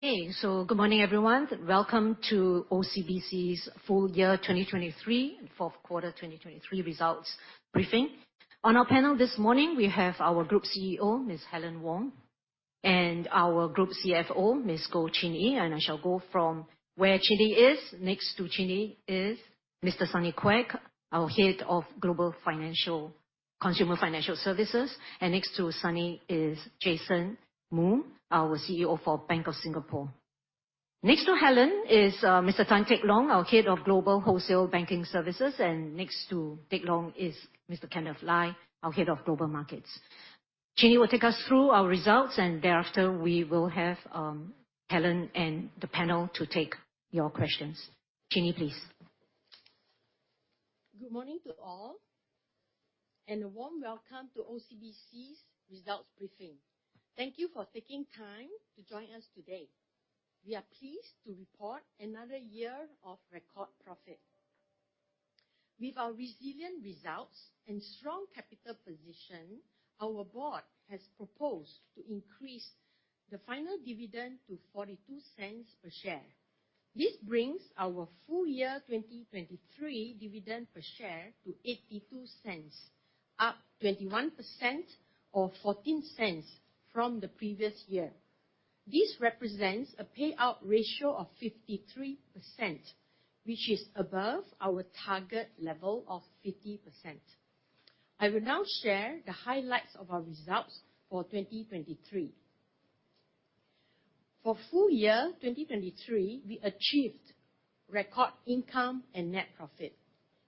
Hey, so good morning, everyone. Welcome to OCBC's full year 2023 and fourth quarter 2023 results briefing. On our panel this morning, we have our Group CEO, Ms. Helen Wong, and our Group CFO, Ms. Goh Chin Yee. I shall go from where Chin Yee is. Next to Chin Yee is Mr. Sunny Quek, our head of Global Consumer Financial Services. Next to Sunny is Jason Moo, our CEO for Bank of Singapore. Next to Helen is Mr. Tan Teck Long, our head of Global Wholesale Banking, and next to Teck Long is Mr. Kenneth Lai, our head of Global Markets. Chin Yee will take us through our results, and thereafter we will have Helen and the panel to take your questions. Chin Yee, please. Good morning to all, and a warm welcome to OCBC's results briefing. Thank you for taking time to join us today. We are pleased to report another year of record profit. With our resilient results and strong capital position, our board has proposed to increase the final dividend to 0.42 per share. This brings our full year 2023 dividend per share to 0.82, up 21% or 0.14 from the previous year. This represents a payout ratio of 53%, which is above our target level of 50%. I will now share the highlights of our results for 2023. For full year 2023, we achieved record income and net profit.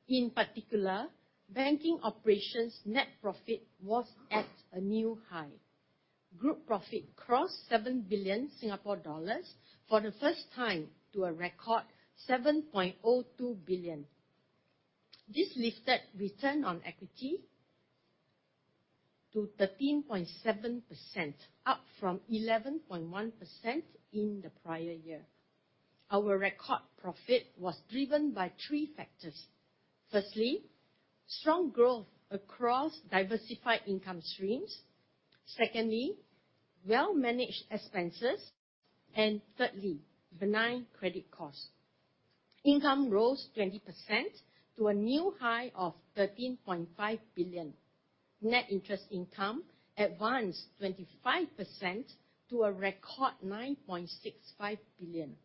In particular, banking operations net profit was at a new high. Group profit crossed 7 billion Singapore dollars for the first time, to a record 7.02 billion. This lifted return on equity to 13.7%, up from 11.1% in the prior year. Our record profit was driven by three factors. Firstly, strong growth across diversified income streams. Secondly, well-managed expenses. Thirdly, benign credit costs. Income rose 20% to a new high of 13.5 billion. Net interest income advanced 25% to a record 9.65 billion.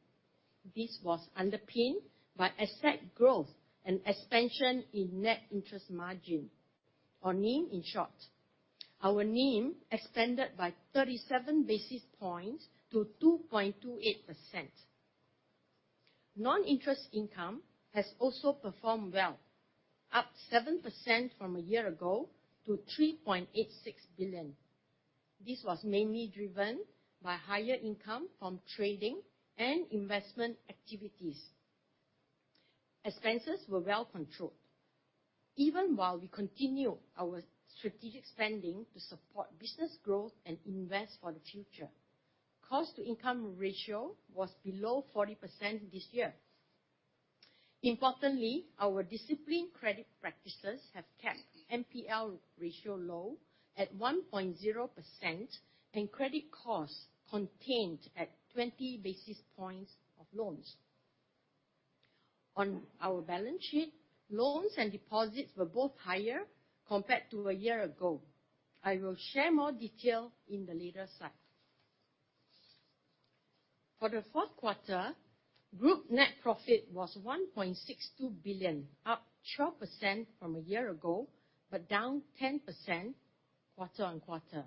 This was underpinned by asset growth and expansion in net interest margin, or NIM, in short. Our NIM expanded by 37 basis points to 2.28%. Non-interest income has also performed well, up 7% from a year ago to 3.86 billion. This was mainly driven by higher income from trading and investment activities. Expenses were well controlled, even while we continue our strategic spending to support business growth and invest for the future. Cost-to-income ratio was below 40% this year. Importantly, our disciplined credit practices have kept NPL ratio low, at 1.0%, and credit costs contained at 20 basis points of loans. On our balance sheet, loans and deposits were both higher compared to a year ago. I will share more detail in the later slide. For the fourth quarter, group net profit was SGD 1.62 billion, up 12% from a year ago, but down 10% quarter-on-quarter.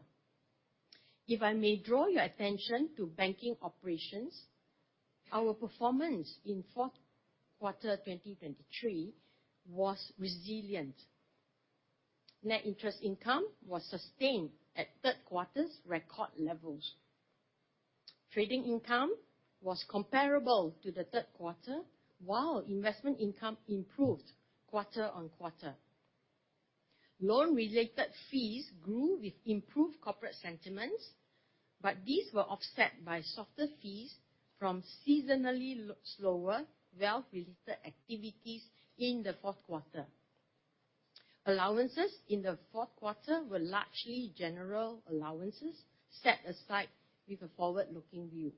If I may draw your attention to banking operations, our performance in fourth quarter 2023 was resilient. Net interest income was sustained at third quarter's record levels. Trading income was comparable to the third quarter, while investment income improved quarter-on-quarter. Loan-related fees grew with improved corporate sentiments, but these were offset by softer fees from seasonally slower wealth-related activities in the fourth quarter. Allowances in the fourth quarter were largely general allowances set aside with a forward-looking view.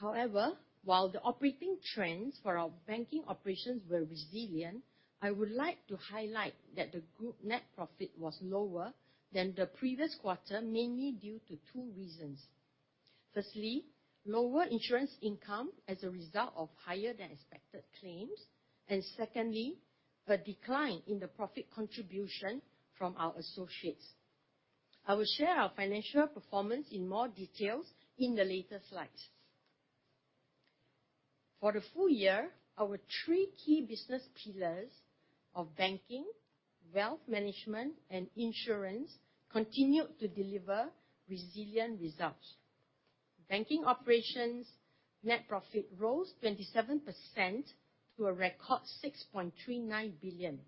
However, while the operating trends for our banking operations were resilient, I would like to highlight that the group net profit was lower than the previous quarter, mainly due to two reasons. Firstly, lower insurance income as a result of higher than expected claims, and secondly, a decline in the profit contribution from our associates. I will share our financial performance in more details in the later slides. For the full year, our three key business pillars of banking, wealth management, and insurance continued to deliver resilient results. Banking operations net profit rose 27% to a record 6.39 billion.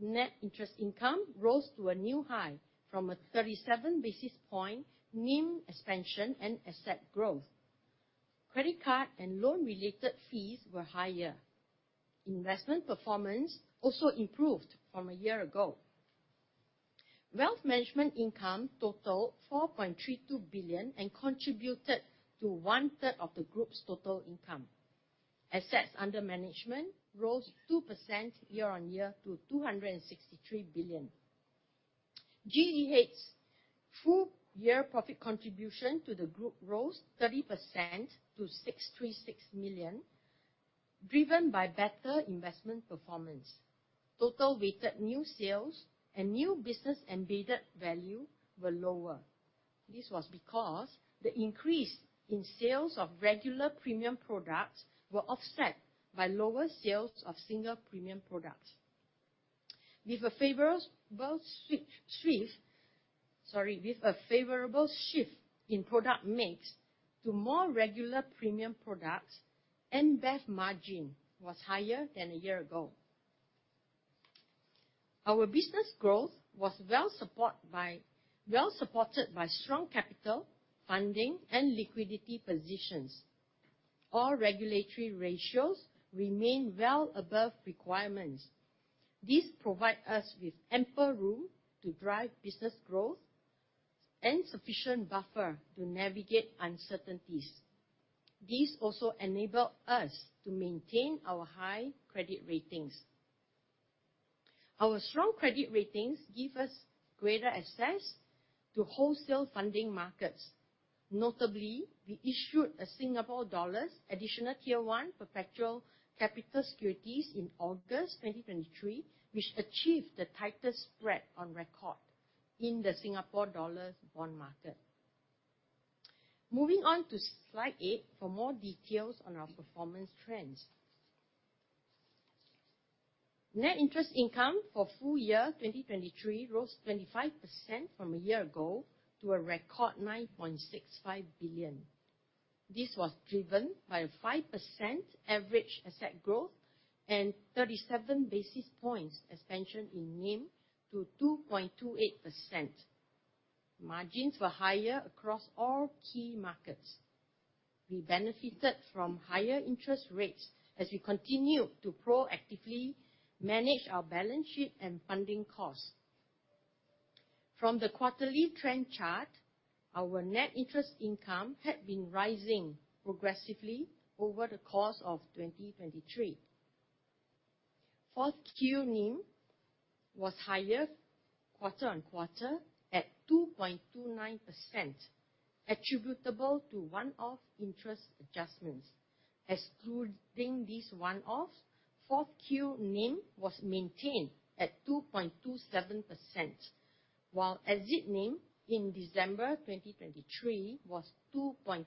Net interest income rose to a new high from a 37 basis point NIM expansion and asset growth. Credit card and loan-related fees were higher. Investment performance also improved from a year ago. Wealth management income totaled 4.32 billion and contributed to 1/3 of the group's total income. Assets under management rose 2% year-on-year to SGD 263 billion. GEH's full year profit contribution to the group rose 30% to 636 million, driven by better investment performance. Total weighted new sales and new business embedded value were lower. This was because the increase in sales of regular premium products were offset by lower sales of single premium products. With a favorable shift in product mix to more regular premium products, NBV margin was higher than a year ago. Our business growth was well supported by strong capital, funding, and liquidity positions. All regulatory ratios remain well above requirements. This provide us with ample room to drive business growth and sufficient buffer to navigate uncertainties. This also enable us to maintain our high credit ratings. Our strong credit ratings give us greater access to wholesale funding markets. Notably, we issued a Singapore dollars additional Tier 1 perpetual capital securities in August 2023, which achieved the tightest spread on record in the Singapore dollars bond market. Moving on to slide 8 for more details on our performance trends. Net interest income for full year 2023 rose 25% from a year ago to a record 9.65 billion. This was driven by a 5% average asset growth and 37 basis points expansion in NIM to 2.28%. Margins were higher across all key markets. We benefited from higher interest rates as we continued to proactively manage our balance sheet and funding costs. From the quarterly trend chart, our net interest income had been rising progressively over the course of 2023. 4Q NIM was higher quarter-on-quarter at 2.29%, attributable to one-off interest adjustments. Excluding this one-off, 4Q NIM was maintained at 2.27%, while exit NIM in December 2023 was 2.26%.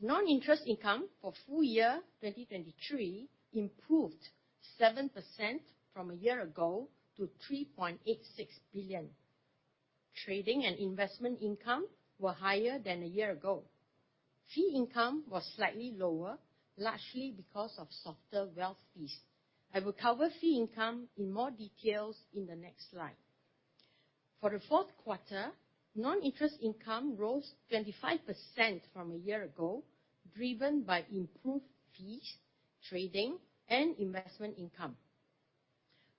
Non-interest income for full year 2023 improved 7% from a year ago to 3.86 billion. Trading and investment income were higher than a year ago. Fee income was slightly lower, largely because of softer wealth fees. I will cover fee income in more details in the next slide. For the fourth quarter, non-interest income rose 25% from a year ago, driven by improved fees, trading, and investment income.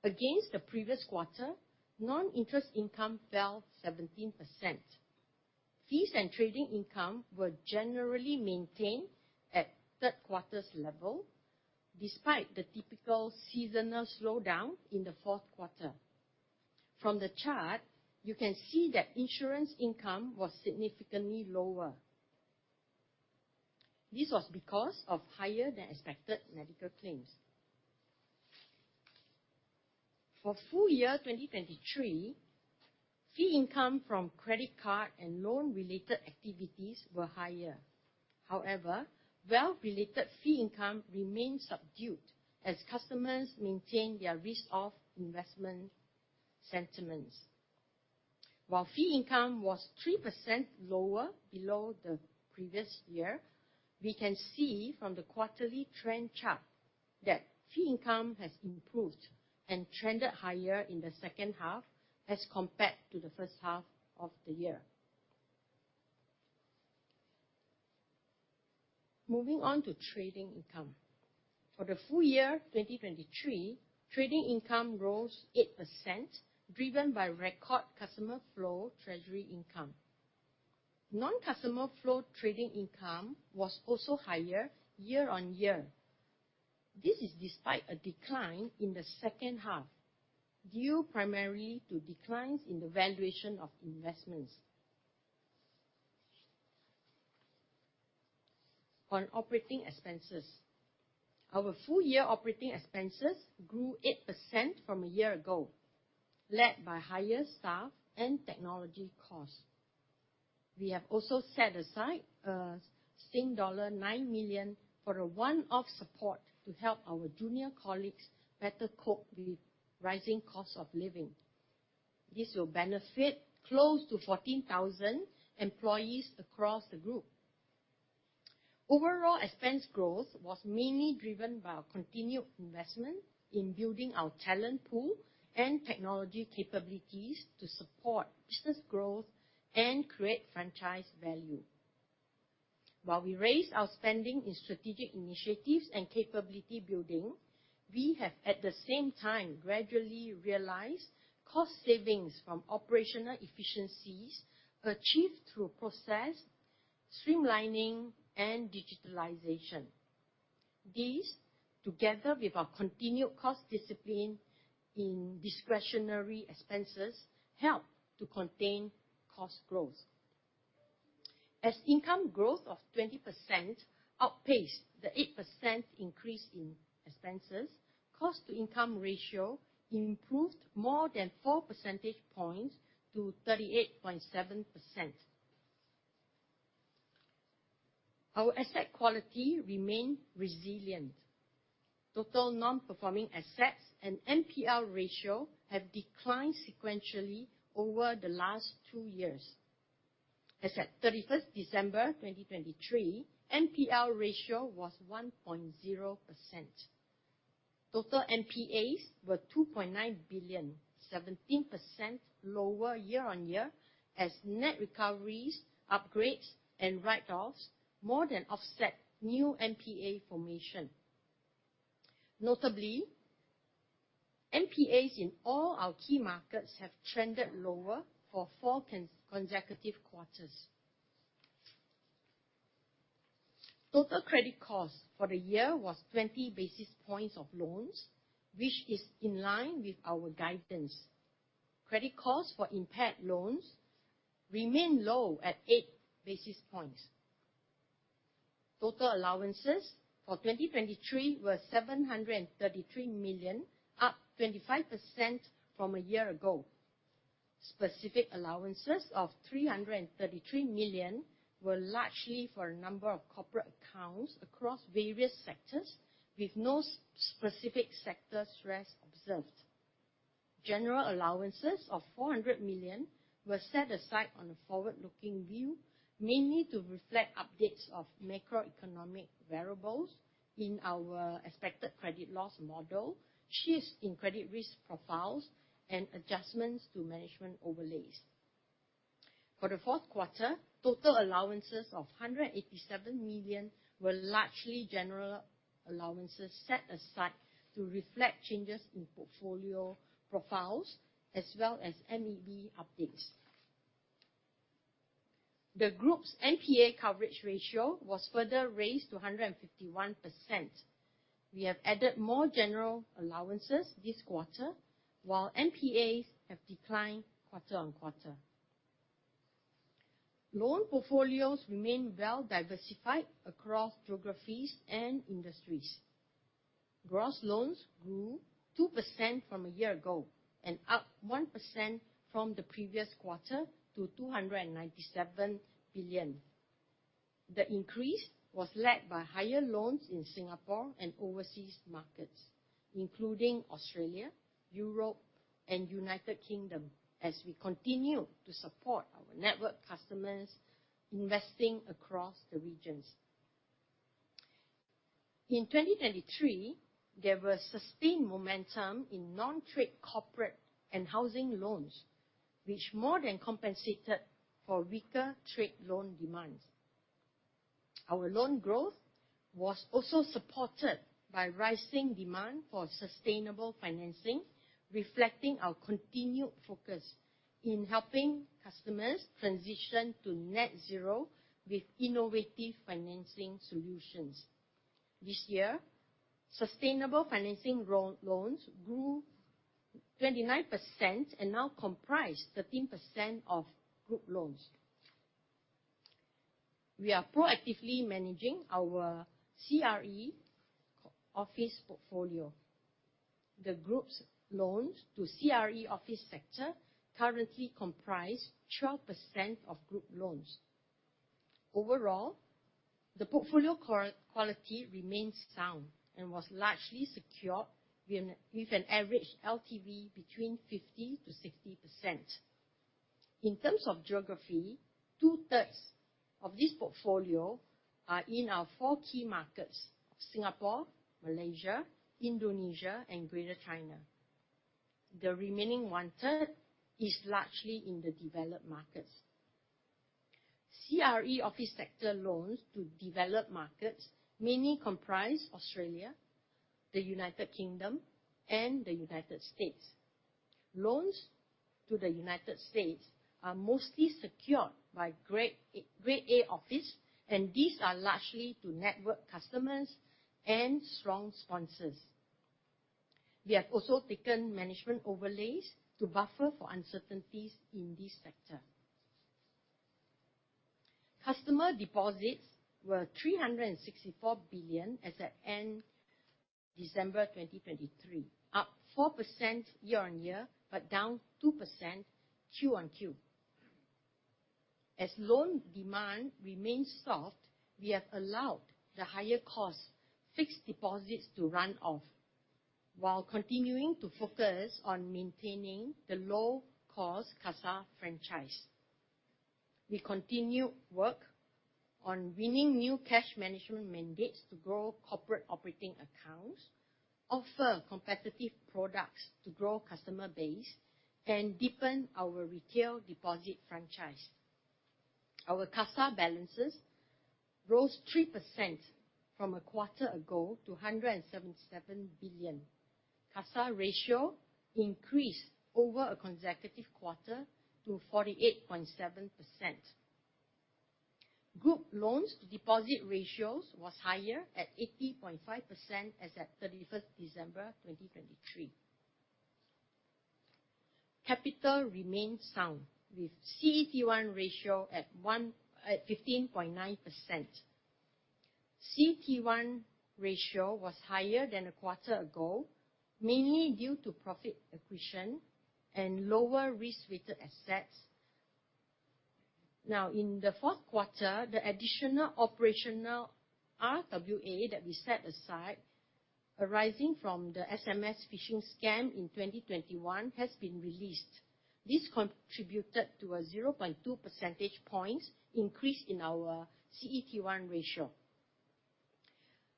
Against the previous quarter, non-interest income fell 17%. Fees and trading income were generally maintained at third quarter's level, despite the typical seasonal slowdown in the fourth quarter. From the chart, you can see that insurance income was significantly lower. This was because of higher than expected medical claims. For full year 2023, fee income from credit card and loan-related activities were higher. However, wealth-related fee income remained subdued as customers maintained their risk-off investment sentiments. While fee income was 3% lower below the previous year, we can see from the quarterly trend chart that fee income has improved and trended higher in the second half as compared to the first half of the year. Moving on to trading income. For the full year 2023, trading income rose 8%, driven by record customer flow treasury income. Non-customer flow trading income was also higher year-on-year. This is despite a decline in the second half, due primarily to declines in the valuation of investments. On operating expenses. Our full year operating expenses grew 8% from a year ago, led by higher staff and technology costs. We have also set aside dollar 9 million for a one-off support to help our junior colleagues better cope with rising cost of living. This will benefit close to 14,000 employees across the group. Overall, expense growth was mainly driven by our continued investment in building our talent pool and technology capabilities to support business growth and create franchise value.... While we raise our spending in strategic initiatives and capability building, we have, at the same time, gradually realized cost savings from operational efficiencies achieved through process streamlining and digitalization. These, together with our continued cost discipline in discretionary expenses, help to contain cost growth. As income growth of 20% outpaced the 8% increase in expenses, cost-to-income ratio improved more than 4 percentage points to 38.7%. Our asset quality remained resilient. Total non-performing assets and NPL ratio have declined sequentially over the last two years. As at 31 December 2023, NPL ratio was 1.0%. Total NPAs were 2.9 billion, 17% lower year-on-year, as net recoveries, upgrades, and write-offs more than offset new NPA formation. Notably, NPAs in all our key markets have trended lower for 4 consecutive quarters. Total credit cost for the year was 20 basis points of loans, which is in line with our guidance. Credit costs for impaired loans remain low, at 8 basis points. Total allowances for 2023 were 733 million, up 25% from a year ago. Specific allowances of 333 million were largely for a number of corporate accounts across various sectors, with no specific sector stress observed. General allowances of 400 million were set aside on a forward-looking view, mainly to reflect updates of macroeconomic variables in our expected credit loss model, shifts in credit risk profiles, and adjustments to management overlays. For the fourth quarter, total allowances of 187 million were largely general allowances set aside to reflect changes in portfolio profiles, as well as MEV updates. The group's NPA coverage ratio was further raised to 151%. We have added more general allowances this quarter, while NPAs have declined quarter-on-quarter. Loan portfolios remain well diversified across geographies and industries. Gross loans grew 2% from a year ago, and up 1% from the previous quarter to 297 billion. The increase was led by higher loans in Singapore and overseas markets, including Australia, Europe, and United Kingdom, as we continue to support our network customers investing across the regions. In 2023, there was sustained momentum in non-trade corporate and housing loans, which more than compensated for weaker trade loan demands. Our loan growth was also supported by rising demand for sustainable financing, reflecting our continued focus in helping customers transition to net zero with innovative financing solutions. This year, sustainable financing loans grew 29%, and now comprise 13% of group loans. We are proactively managing our CRE office portfolio. The group's loans to CRE office sector currently comprise 12% of group loans. Overall, the portfolio quality remains sound and was largely secured with an average LTV between 50%-60%. In terms of geography, 2/3 of this portfolio are in our four key markets of Singapore, Malaysia, Indonesia, and Greater China. The remaining 1/3 is largely in the developed markets. CRE office sector loans to developed markets mainly comprise Australia, the United Kingdom, and the United States. Loans to the United States are mostly secured by Grade A office, and these are largely to network customers and strong sponsors. We have also taken management overlays to buffer for uncertainties in this sector. Customer deposits were 364 billion as at end December 2023, up 4% year-on-year, but down 2% quarter-on-quarter. As loan demand remains soft, we have allowed the higher cost fixed deposits to run off, while continuing to focus on maintaining the low-cost CASA franchise. We continue work on winning new cash management mandates to grow corporate operating accounts.... offer competitive products to grow customer base and deepen our retail deposit franchise. Our CASA balances rose 3% from a quarter ago to 177 billion. CASA ratio increased over a consecutive quarter to 48.7%. Group loans to deposit ratios was higher at 80.5% as at 31 December 2023. Capital remained sound, with CET1 ratio at 15.9%. CET1 ratio was higher than a quarter ago, mainly due to profit accretion and lower risk-weighted assets. Now, in the fourth quarter, the additional operational RWA that we set aside, arising from the SMS phishing scam in 2021, has been released. This contributed to a 0.2 percentage points increase in our CET1 ratio.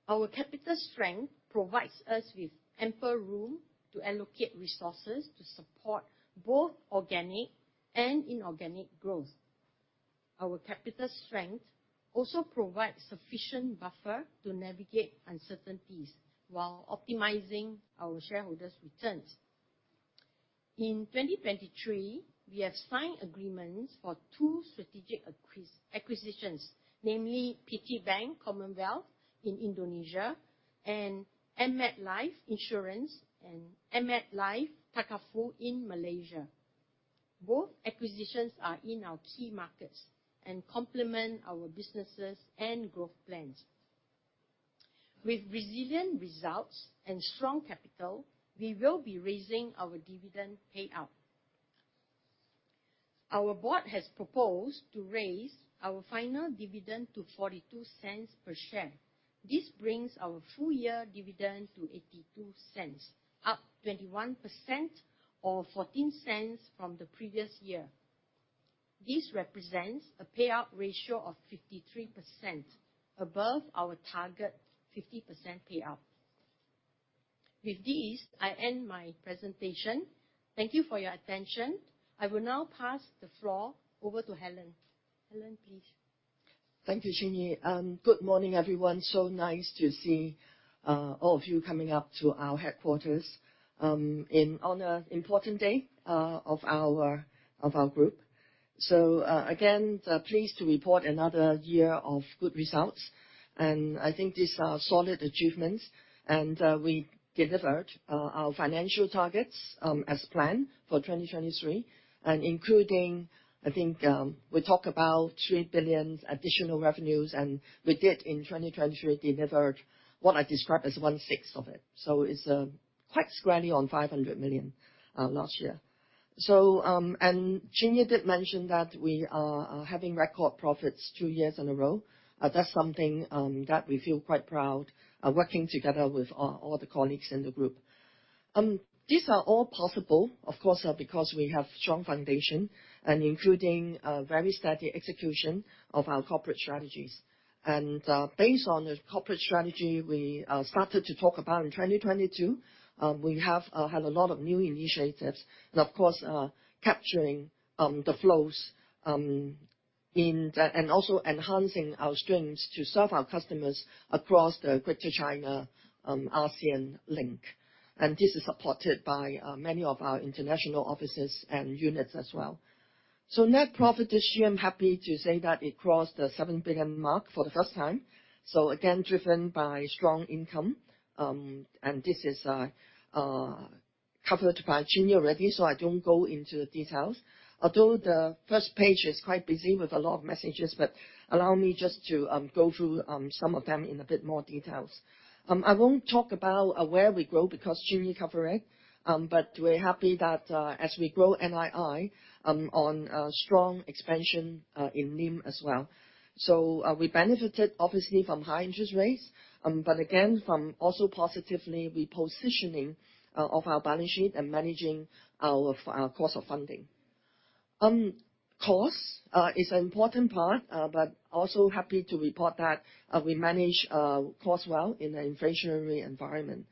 Our capital strength provides us with ample room to allocate resources to support both organic and inorganic growth. Our capital strength also provides sufficient buffer to navigate uncertainties while optimizing our shareholders' returns. In 2023, we have signed agreements for two strategic acquisitions, namely PT Bank Commonwealth in Indonesia, and AmMetLife Insurance and AmMetLife Takaful in Malaysia. Both acquisitions are in our key markets and complement our businesses and growth plans. With resilient results and strong capital, we will be raising our dividend payout. Our board has proposed to raise our final dividend to 0.42 per share. This brings our full year dividend to 0.82, up 21% or 0.14 from the previous year. This represents a payout ratio of 53%, above our target 50% payout. With this, I end my presentation. Thank you for your attention. I will now pass the floor over to Helen. Helen, please. Thank you, Chin Yee. Good morning, everyone. So nice to see all of you coming up to our headquarters on an important day of our group. So again, pleased to report another year of good results, and I think these are solid achievements. And we delivered our financial targets as planned for 2023, and including, I think, we talk about 3 billion additional revenues, and we did in 2023, delivered what I describe as 1/6 of it. So it's quite squarely on 500 million last year. So and Chin Yee did mention that we are having record profits two years in a row. That's something that we feel quite proud working together with all the colleagues in the group. These are all possible, of course, because we have strong foundation and including very steady execution of our corporate strategies. Based on the corporate strategy we started to talk about in 2022, we have had a lot of new initiatives and, of course, capturing the flows in the... Also enhancing our strengths to serve our customers across the Greater China ASEAN link. This is supported by many of our international offices and units as well. So net profit this year, I'm happy to say that it crossed the 7 billion mark for the first time. So again, driven by strong income, and this is covered by Chin Yee already, so I don't go into the details. Although the first page is quite busy with a lot of messages, but allow me just to go through some of them in a bit more details. I won't talk about where we grow, because Chin Yee covered it, but we're happy that as we grow NII on strong expansion in NIM as well. So we benefited obviously from high interest rates, but again, from also positively repositioning of our balance sheet and managing our cost of funding. Cost is an important part, but also happy to report that we manage cost well in an inflationary environment.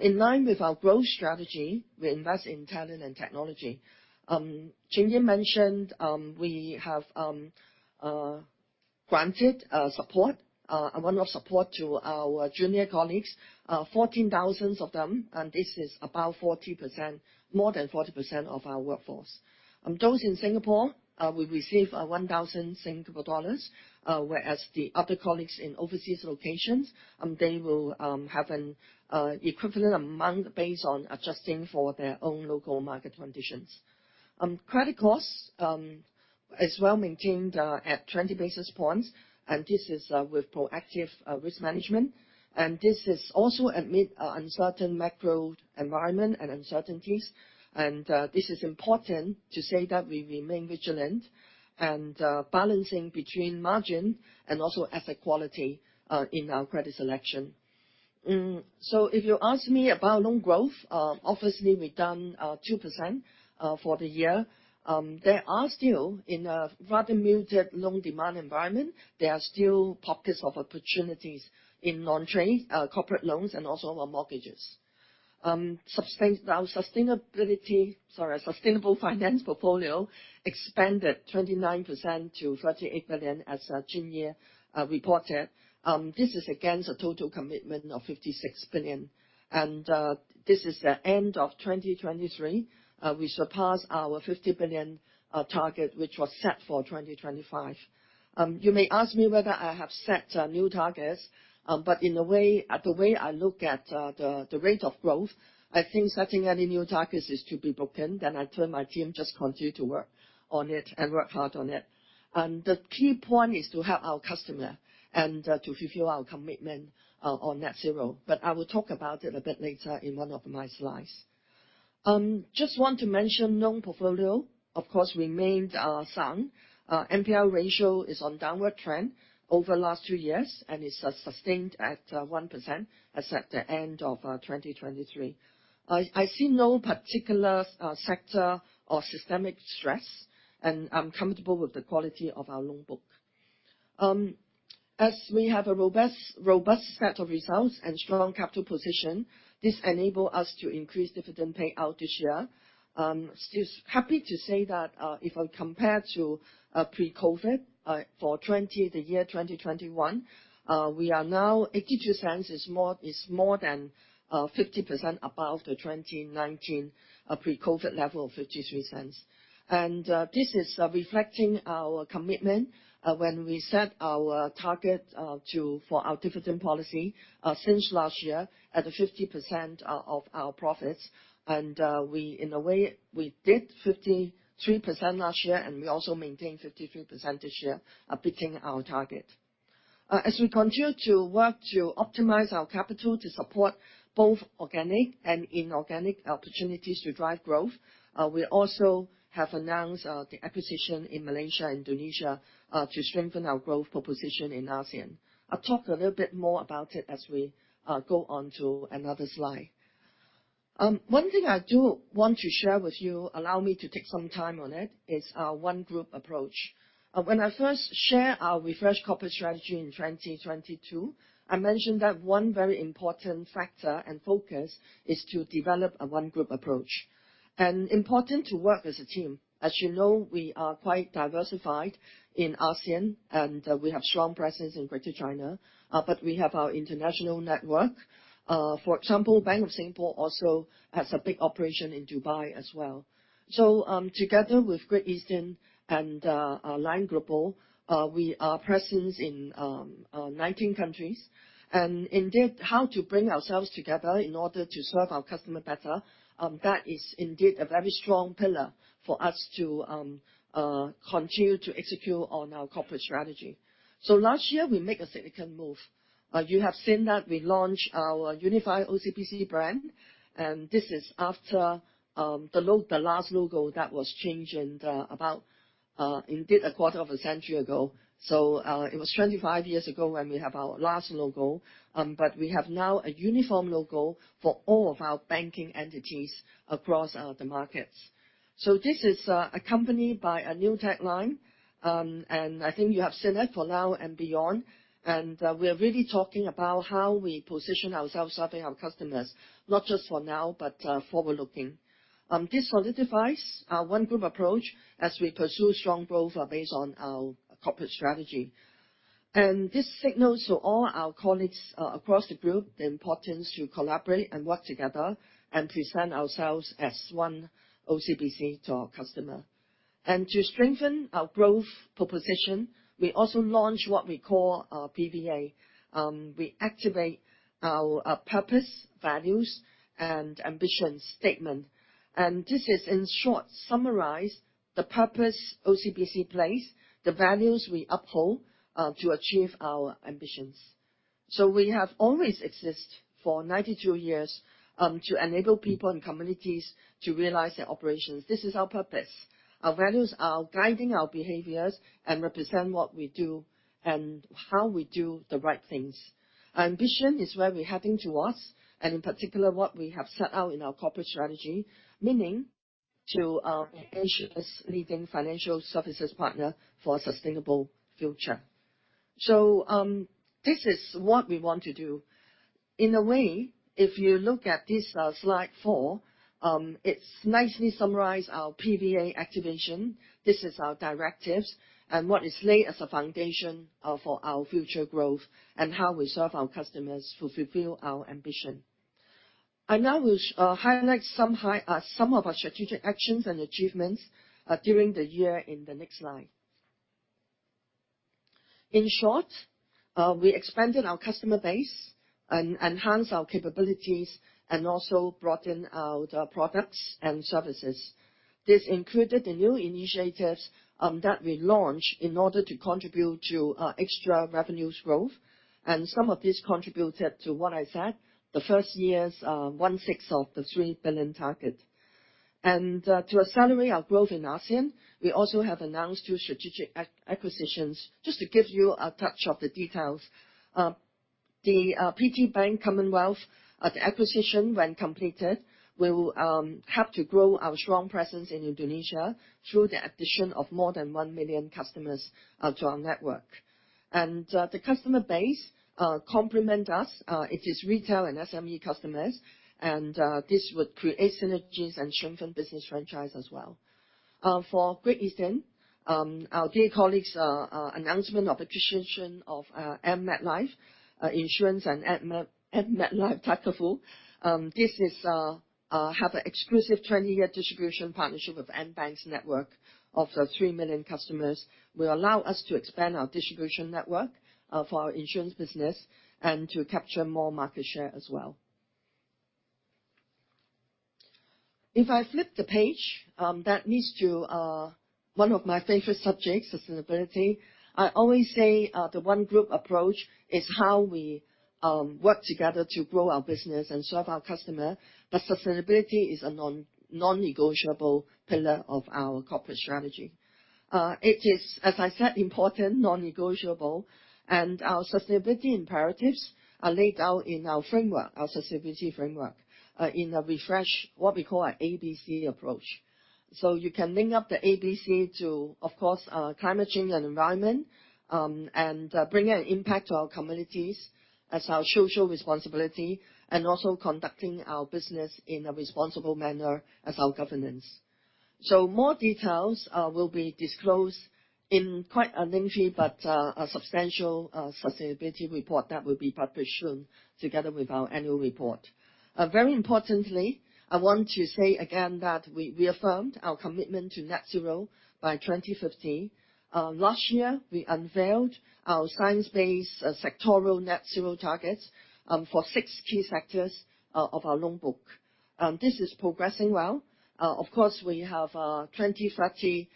In line with our growth strategy, we invest in talent and technology. Chin Yee mentioned, we have granted support, a one-off support to our junior colleagues, 14,000 of them, and this is about 40%, more than 40% of our workforce. Those in Singapore will receive 1,000 Singapore dollars, whereas the other colleagues in overseas locations, they will have an equivalent amount based on adjusting for their own local market conditions. Credit costs is well maintained at 20 basis points, and this is with proactive risk management, and this is also amid uncertain macro environment and uncertainties. This is important to say that we remain vigilant and balancing between margin and also asset quality in our credit selection. So if you ask me about loan growth, obviously we've done 2% for the year. There is still a rather muted loan demand environment. There are still pockets of opportunities in non-trade corporate loans and also our mortgages. Our sustainable finance portfolio expanded 29% to 38 billion as of our June year-end reported. This is against a total commitment of 56 billion, and this is the end of 2023. We surpassed our 50 billion target, which was set for 2025. You may ask me whether I have set new targets, but in a way, the way I look at the rate of growth, I think setting any new targets is to be broken. I tell my team, "Just continue to work on it and work hard on it." The key point is to help our customer and to fulfill our commitment on net zero. I will talk about it a bit later in one of my slides. Just want to mention loan portfolio, of course, remained sound. NPL ratio is on downward trend over the last two years, and it's sustained at 1% as at the end of 2023. I see no particular sector or systemic stress, and I'm comfortable with the quality of our loan book. As we have a robust set of results and strong capital position, this enable us to increase dividend payout this year. Still happy to say that, if I compare to pre-COVID, for 20, the year 2021, we are now 0.82 is more, is more than 50% above the 2019 pre-COVID level of 0.53. This is reflecting our commitment when we set our target to... for our dividend policy since last year at a 50% of our profits. We in a way, we did 53% last year, and we also maintained 53% this year, beating our target. As we continue to work to optimize our capital to support both organic and inorganic opportunities to drive growth, we also have announced the acquisition in Malaysia and Indonesia to strengthen our growth proposition in ASEAN. I'll talk a little bit more about it as we go on to another slide. One thing I do want to share with you, allow me to take some time on it, is our One Group approach. When I first shared our refreshed corporate strategy in 2022, I mentioned that one very important factor and focus is to develop a One Group approach. And important to work as a team. As you know, we are quite diversified in ASEAN, and we have strong presence in Greater China, but we have our international network. For example, Bank of Singapore also has a big operation in Dubai as well. So, together with Great Eastern and Lion Global, we are present in 19 countries. And indeed, how to bring ourselves together in order to serve our customers better, that is indeed a very strong pillar for us to continue to execute on our corporate strategy. So last year, we make a significant move. You have seen that we launched our unified OCBC brand, and this is after the last logo that was changed in the about indeed a quarter of a century ago. So it was 25 years ago when we have our last logo, but we have now a uniform logo for all of our banking entities across the markets. So this is accompanied by a new tagline, and I think you have seen it, "For now and beyond." And we are really talking about how we position ourselves serving our customers, not just for now, but forward-looking. This solidifies our One Group approach as we pursue strong growth based on our corporate strategy. This signals to all our colleagues across the group the importance to collaborate and work together and present ourselves as one OCBC to our customer. To strengthen our growth proposition, we also launched what we call our PVA. We activate our purpose, values, and ambition statement, and this is, in short, summarize the purpose OCBC plays, the values we uphold to achieve our ambitions. We have always exist for 92 years to enable people and communities to realize their operations. This is our purpose. Our values are guiding our behaviors and represent what we do and how we do the right things. Our ambition is where we're heading to us, and in particular, what we have set out in our corporate strategy, meaning to Asia's leading financial services partner for a sustainable future. So, this is what we want to do. In a way, if you look at this slide four, it's nicely summarize our PVA activation. This is our directives and what is laid as a foundation for our future growth and how we serve our customers to fulfill our ambition. I now will highlight some of our strategic actions and achievements during the year in the next slide. In short, we expanded our customer base and enhanced our capabilities, and also broadened out our products and services. This included the new initiatives that we launched in order to contribute to extra revenues growth, and some of this contributed to what I said, the first year's 1/6 of the 3 billion target. To accelerate our growth in ASEAN, we also have announced 2 strategic acquisitions. Just to give you a touch of the details, the PT Bank Commonwealth acquisition, when completed, will help to grow our strong presence in Indonesia through the addition of more than 1 million customers to our network. And the customer base complement us. It is retail and SME customers, and this would create synergies and strengthen business franchise as well. For Great Eastern, our dear colleagues' announcement of acquisition of AmMetLife Insurance and AmMetLife Takaful. Have an exclusive 20-year distribution partnership with AmBank's network of 3 million customers, will allow us to expand our distribution network for our insurance business and to capture more market share as well. If I flip the page, that leads to one of my favorite subjects: sustainability. I always say the One Group approach is how we work together to grow our business and serve our customer, but sustainability is a non-negotiable pillar of our corporate strategy. It is, as I said, important, non-negotiable, and our sustainability imperatives are laid out in our framework, our sustainability framework, in a refresh, what we call an ABC approach. So you can link up the ABC to, of course, climate change and environment, and bring an impact to our communities as our social responsibility, and also conducting our business in a responsible manner as our governance. So more details will be disclosed in quite a lengthy, but a substantial sustainability report that will be published soon together with our annual report. Very importantly, I want to say again that we reaffirmed our commitment to net zero by 2050. Last year, we unveiled our science-based sectoral net zero targets for six key sectors of our loan book. This is progressing well. Of course, we have 2030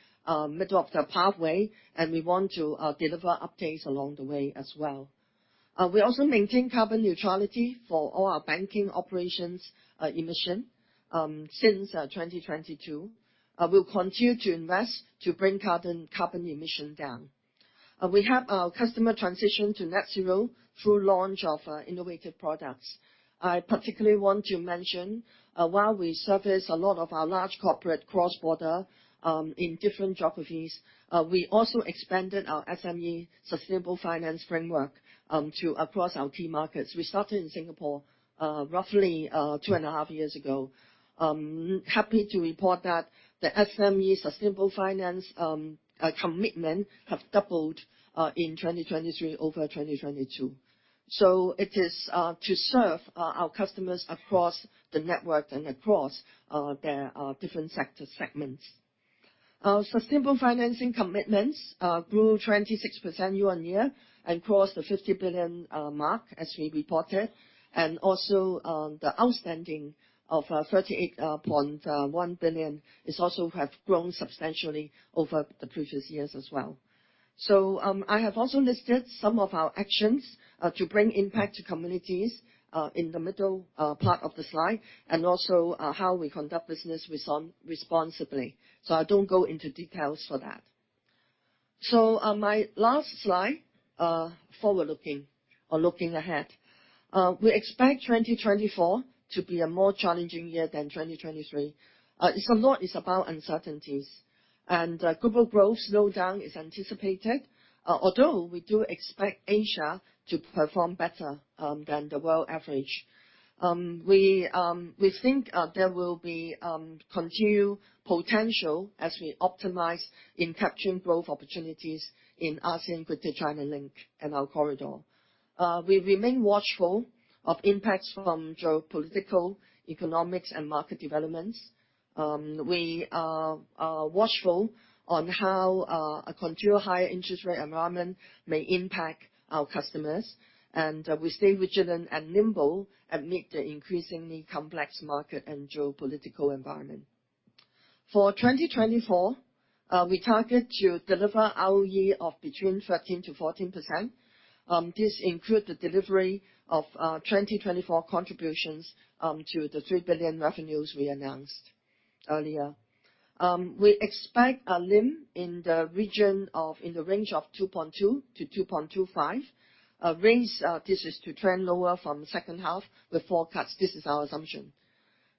middle of the pathway, and we want to deliver updates along the way as well. We also maintain carbon neutrality for all our banking operations emission since 2022. We'll continue to invest to bring carbon emission down. We have our customer transition to net zero through launch of innovative products. I particularly want to mention while we service a lot of our large corporate cross-border in different geographies we also expanded our SME Sustainable Finance Framework to across our key markets. We started in Singapore roughly 2.5 years ago. Happy to report that the SME sustainable finance commitment have doubled in 2023 over 2022. So it is to serve our customers across the network and across their different sector segments. Our sustainable financing commitments grew 26% year-on-year and crossed the 50 billion mark, as we reported. Also, the outstanding of 38.1 billion is also have grown substantially over the previous years as well. So, I have also listed some of our actions to bring impact to communities in the middle part of the slide, and also how we conduct business responsibly, so I don't go into details for that. So, my last slide, forward-looking or looking ahead. We expect 2024 to be a more challenging year than 2023. It's a lot is about uncertainties, and global growth slowdown is anticipated, although we do expect Asia to perform better than the world average. We think there will be continued potential as we optimize in capturing growth opportunities in ASEAN, Greater China Link, and our corridor. We remain watchful of impacts from geopolitical, economic, and market developments. We are watchful on how a continued higher interest rate environment may impact our customers, and we stay vigilant and nimble amid the increasingly complex market and geopolitical environment. For 2024, we target to deliver ROE of between 13%-14%. This include the delivery of 2024 contributions to the 3 billion revenues we announced earlier. We expect a NIM in the region of—in the range of 2.2%-2.25% range. This is to trend lower from the second half with forecast. This is our assumption.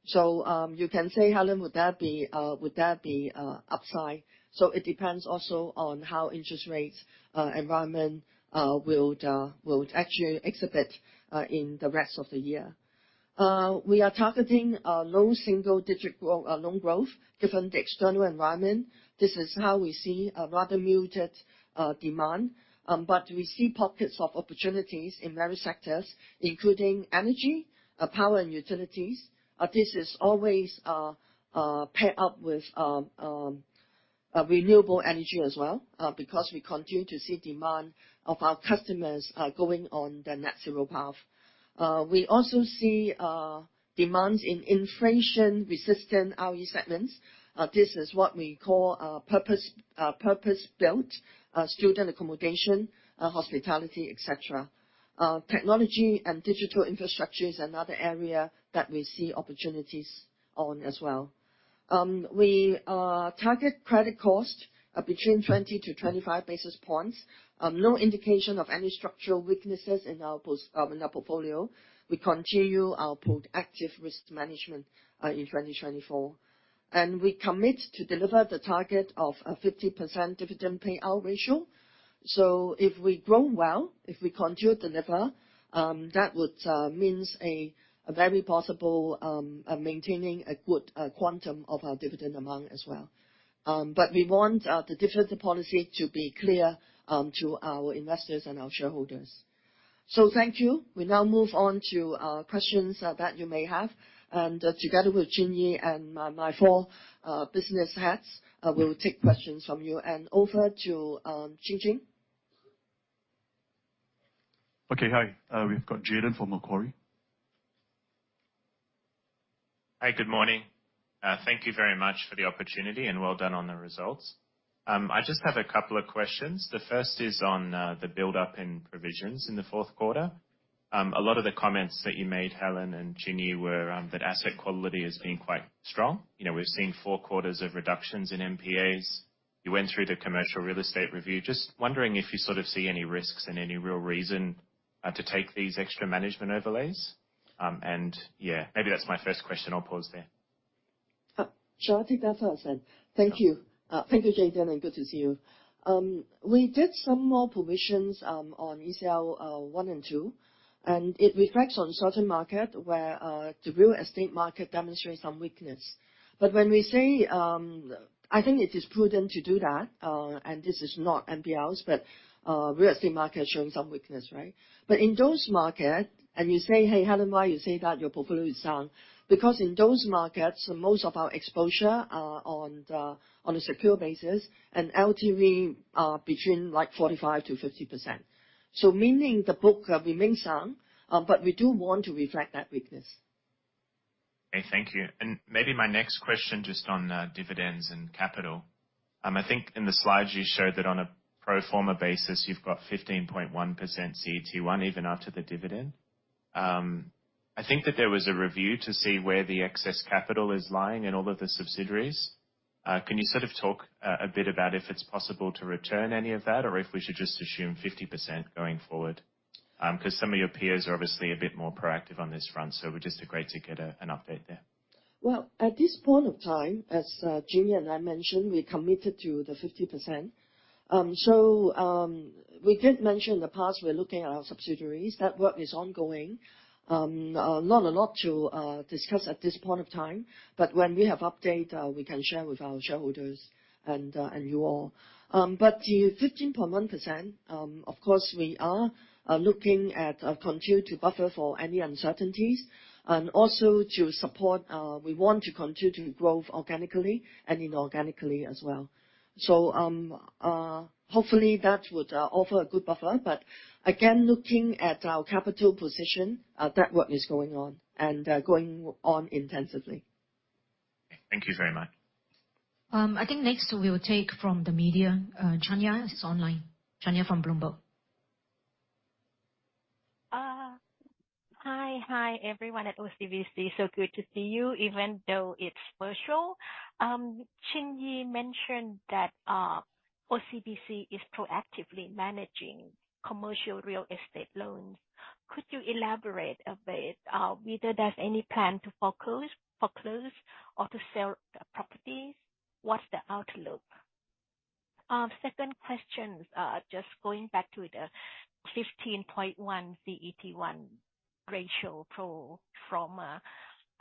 So, you can say, "Helen, would that be, would that be, upside?" So it depends also on how interest rates, environment, will, will actually exhibit, in the rest of the year. We are targeting low single digit growth, loan growth, given the external environment. This is how we see a rather muted demand, but we see pockets of opportunities in various sectors, including energy, power and utilities. This is always pair up with renewable energy as well, because we continue to see demand of our customers, going on the net zero path. We also see demands in inflation-resistant RE segments this is what we call, purpose purpose-built, student accommodation, hospitality, et cetera. Technology and digital infrastructure is another area that we see opportunities on as well. We target credit cost between 20 basis points-25 basis points. No indication of any structural weaknesses in our portfolio. We continue our proactive risk management in 2024, and we commit to deliver the target of a 50% dividend payout ratio. So if we grow well, if we continue to deliver, that would means a very possible maintaining a good quantum of our dividend amount as well. But we want the dividend policy to be clear to our investors and our shareholders. So thank you. We now move on to questions that you may have, and together with Chin Yee and my four business heads, I will take questions from you. And over to, Ching Ching. Okay. Hi. We've got Jayden from Macquarie. Hi, good morning. Thank you very much for the opportunity, and well done on the results. I just have a couple of questions. The first is on the buildup in provisions in the fourth quarter. A lot of the comments that you made, Helen and Chin Yee, were that asset quality has been quite strong. You know, we've seen four quarters of reductions in NPAs. You went through the commercial real estate review. Just wondering if you sort of see any risks and any real reason to take these extra management overlays. And, yeah, maybe that's my first question. I'll pause there. Shall I take that first then? Thank you. Yeah. Thank you, Jayden, and good to see you. We did some more provisions on ECL 1 and 2, and it reflects on certain market where the real estate market demonstrates some weakness. But when we say, I think it is prudent to do that, and this is not NPLs, but real estate market is showing some weakness, right? But in those market, and you say, "Hey, Helen, why you say that? Your portfolio is down." Because in those markets, most of our exposure are on a secure basis, and LTV are between, like, 45%-50%. So meaning the book remains sound, but we do want to reflect that weakness. Okay. Thank you. And maybe my next question, just on dividends and capital. I think in the slides you showed that on a pro forma basis, you've got 15.1% CET1, even after the dividend. I think that there was a review to see where the excess capital is lying in all of the subsidiaries. Can you sort of talk a bit about if it's possible to return any of that, or if we should just assume 50% going forward? 'Cause some of your peers are obviously a bit more proactive on this front, so we're just great to get an update there. Well, at this point of time, as Chin Yee and I mentioned, we're committed to the 50%. So, we did mention in the past, we're looking at our subsidiaries. That work is ongoing. Not a lot to discuss at this point of time, but when we have update, we can share with our shareholders and you all. But the 15.1%, of course, we are looking at continue to buffer for any uncertainties, and also to support we want to continue to growth organically and inorganically as well. So, hopefully, that would offer a good buffer. But again, looking at our capital position, that work is going on and going on intensively. Thank you very much. I think next we will take from the media. Chanya is online. Chanya from Bloomberg. Hi. Hi, everyone at OCBC, so good to see you, even though it's virtual. Chin Yee mentioned that, OCBC is proactively managing commercial real estate loans. Could you elaborate a bit, whether there's any plan to foreclose, foreclose or to sell the properties? What's the outlook? Second question, just going back to the 15.1 CET1 ratio pro forma.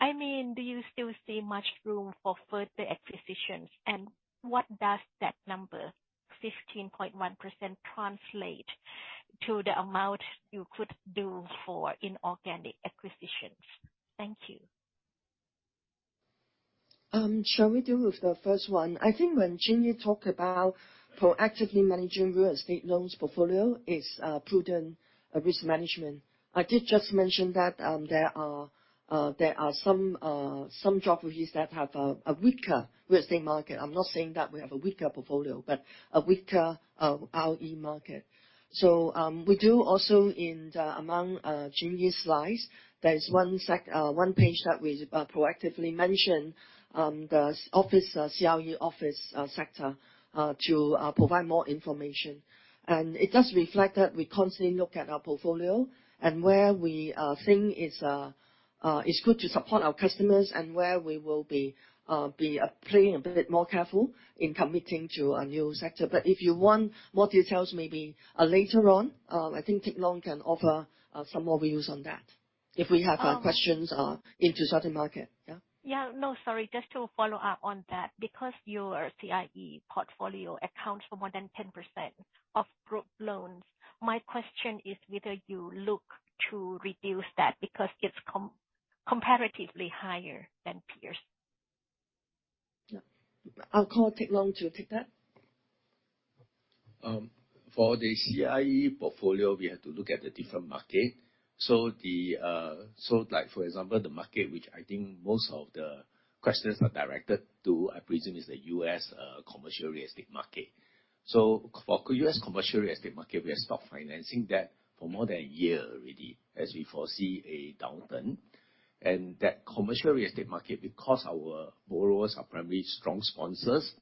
I mean, do you still see much room for further acquisitions, and what does that number, 15.1%, translate to the amount you could do for inorganic acquisitions? Thank you. Shall we deal with the first one? I think when Chin Yee talked about proactively managing real estate loans portfolio is prudent risk management. I did just mention that there are some geographies that have a weaker real estate market. I'm not saying that we have a weaker portfolio, but a weaker RE market. So, we do also among Chin Yee's slides, there is one page that we proactively mention the office CRE office sector to provide more information. And it does reflect that we constantly look at our portfolio and where we think is good to support our customers and where we will be playing a bit more careful in committing to a new sector. But if you want more details, maybe later on, I think Teck Long can offer some more views on that, if we have questions into certain market. Yeah? Yeah. No, sorry. Just to follow up on that, because your CRE portfolio accounts for more than 10% of group loans, my question is whether you look to reduce that because it's comparatively higher than peers? Yeah. I'll call Teck Long to take that.... For the CRE portfolio, we have to look at the different market. So, like for example, the market, which I think most of the questions are directed to, I presume, is the U.S. commercial real estate market. So for U.S. commercial real estate market, we have stopped financing that for more than a year already, as we foresee a downturn. And that commercial real estate market, because our borrowers are primarily strong sponsors,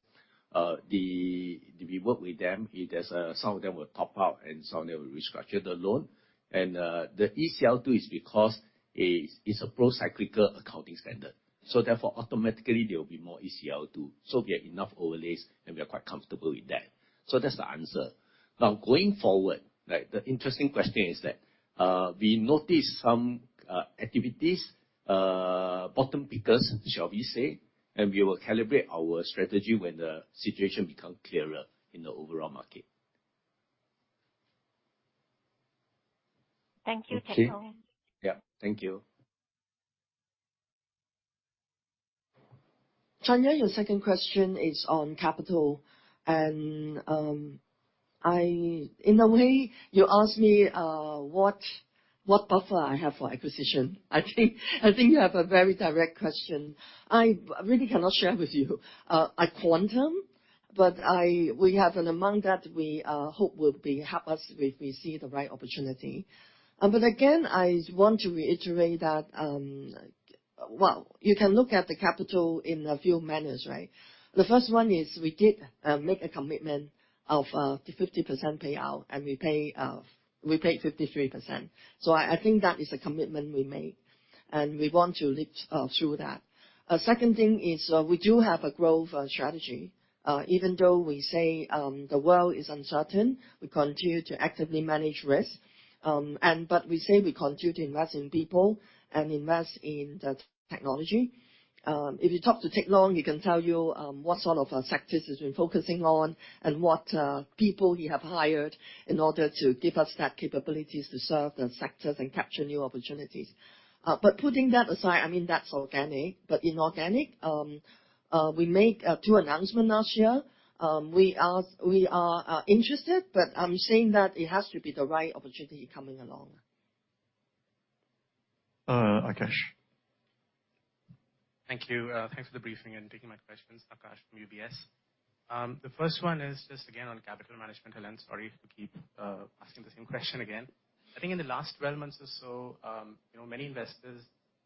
we work with them. If there's, some of them will top up and some of them will restructure the loan. And, the ECL 2 is because it's a procyclical accounting standard, so therefore, automatically there will be more ECL 2. So we have enough overlays, and we are quite comfortable with that. So that's the answer. Now, going forward, right, the interesting question is that, we noticed some activities, bottom pickers, shall we say, and we will calibrate our strategy when the situation become clearer in the overall market. Thank you, Teck Long. Okay. Yeah. Thank you. Chanya, your second question is on capital, and in a way, you ask me what, what buffer I have for acquisition. I think, I think you have a very direct question. I really cannot share with you a quantum, but we have an amount that we hope will be help us if we see the right opportunity. But again, I want to reiterate that, well, you can look at the capital in a few manners, right? The first one is we did make a commitment of 50% payout, and we pay, we paid 53%. So I, I think that is a commitment we made, and we want to live through that. Second thing is, we do have a growth strategy. Even though we say the world is uncertain, we continue to actively manage risk. But we say we continue to invest in people and invest in the technology. If you talk to Teck Long, he can tell you what sort of sectors he's been focusing on and what people he have hired in order to give us that capabilities to serve the sectors and capture new opportunities. But putting that aside, I mean, that's organic. But inorganic, we make two announcement last year. We are interested, but I'm saying that it has to be the right opportunity coming along. Uh, Aakash? Thank you. Thanks for the briefing and taking my questions. Aakash from UBS. The first one is just again, on capital management lens. Sorry to keep asking the same question again. I think in the last 12 months or so, you know, many investors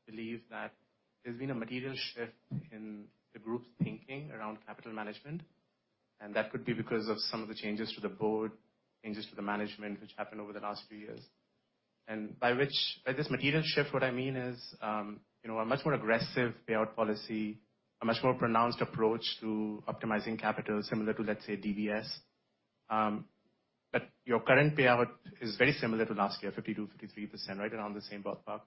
believe that there's been a material shift in the group's thinking around capital management, and that could be because of some of the changes to the board, changes to the management, which happened over the last few years. By this material shift, what I mean is, you know, a much more aggressive payout policy, a much more pronounced approach to optimizing capital, similar to, let's say, DBS. But your current payout is very similar to last year, 52%-53%, right around the same ballpark.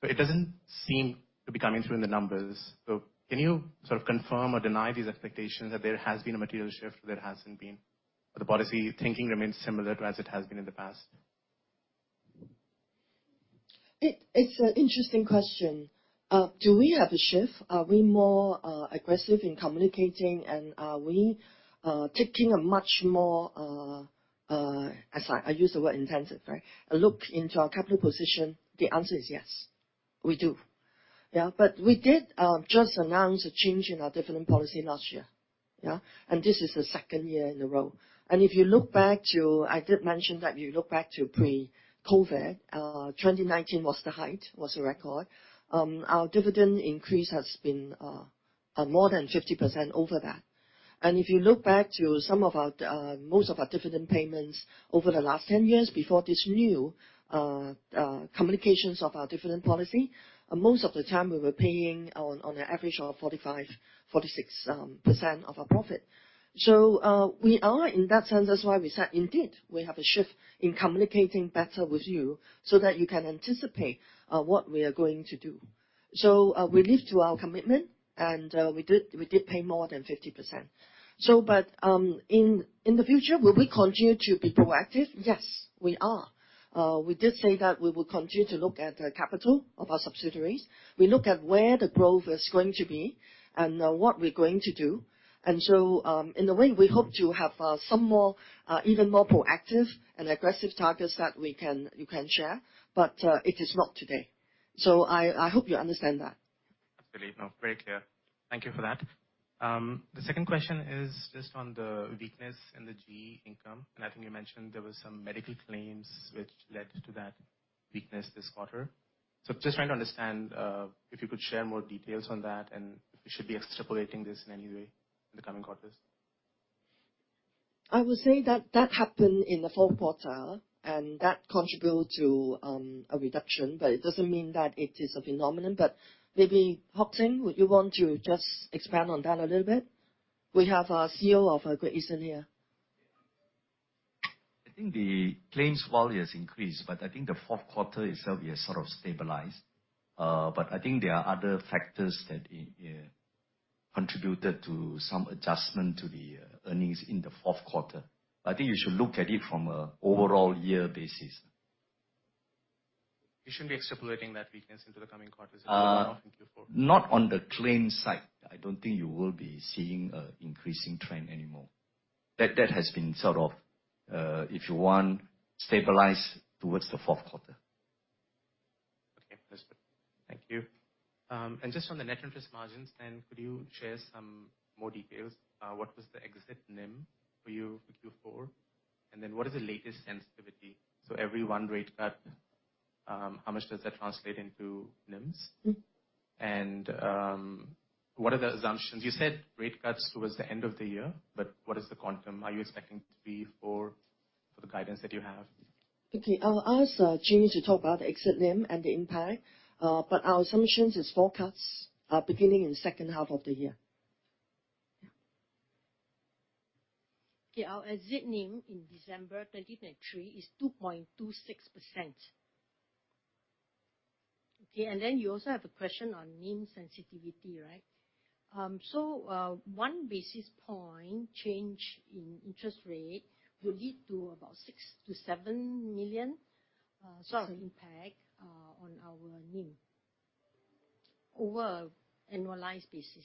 But it doesn't seem to be coming through in the numbers. Can you sort of confirm or deny these expectations that there has been a material shift, there hasn't been, or the policy thinking remains similar to as it has been in the past? It's an interesting question. Do we have a shift? Are we more aggressive in communicating, and are we taking a much more intensive look into our capital position? The answer is yes. We do. Yeah, but we did just announce a change in our dividend policy last year. Yeah, and this is the second year in a row. And if you look back to - I did mention that you look back to pre-COVID, 2019 was the height, was a record. Our dividend increase has been more than 50% over that. And if you look back to some of our, most of our dividend payments over the last 10 years before this new, communications of our dividend policy, most of the time we were paying on, on an average of 45%-46% of our profit. So, we are in that sense, that's why we said, indeed, we have a shift in communicating better with you so that you can anticipate, what we are going to do. So, we live to our commitment, and, we did, we did pay more than 50%. So but, in, in the future, will we continue to be proactive? Yes, we are. We did say that we will continue to look at the capital of our subsidiaries. We look at where the growth is going to be and, what we're going to do. And so, in a way, we hope to have some more even more proactive and aggressive targets that we can—you can share, but it is not today. So I hope you understand that. Absolutely. No, very clear. Thank you for that. The second question is just on the weakness in the GE income, and I think you mentioned there were some medical claims which led to that weakness this quarter. So just trying to understand, if you could share more details on that, and if we should be extrapolating this in any way in the coming quarters. I would say that that happened in the fourth quarter, and that contributed to a reduction, but it doesn't mean that it is a phenomenon. But maybe, Hock Seng, would you want to just expand on that a little bit? We have our CEO of Great Eastern here. I think the claims volume has increased, but I think the fourth quarter itself is sort of stabilized. But I think there are other factors that contributed to some adjustment to the earnings in the fourth quarter. I think you should look at it from an overall year basis.... you shouldn't be extrapolating that weakness into the coming quarters in Q4? Not on the trend side. I don't think you will be seeing an increasing trend anymore. That has been sort of, if you want, stabilized towards the fourth quarter. Okay, understood. Thank you. And just on the net interest margins, then, could you share some more details? What was the exit NIM for you for Q4? And then what is the latest sensitivity? So every one rate cut, how much does that translate into NIMs? Mm-hmm. And, what are the assumptions? You said rate cuts towards the end of the year, but what is the quantum? Are you expecting three, four, for the guidance that you have? Okay, I'll ask, Chin Yee to talk about the exit NIM and the impact. But our assumptions is forecasts are beginning in the second half of the year. Okay, our exit NIM in December 2023 is 2.26%. Okay, and then you also have a question on NIM sensitivity, right? So, one basis point change in interest rate will lead to about 6 million-7 million impact on our NIM over an annualized basis.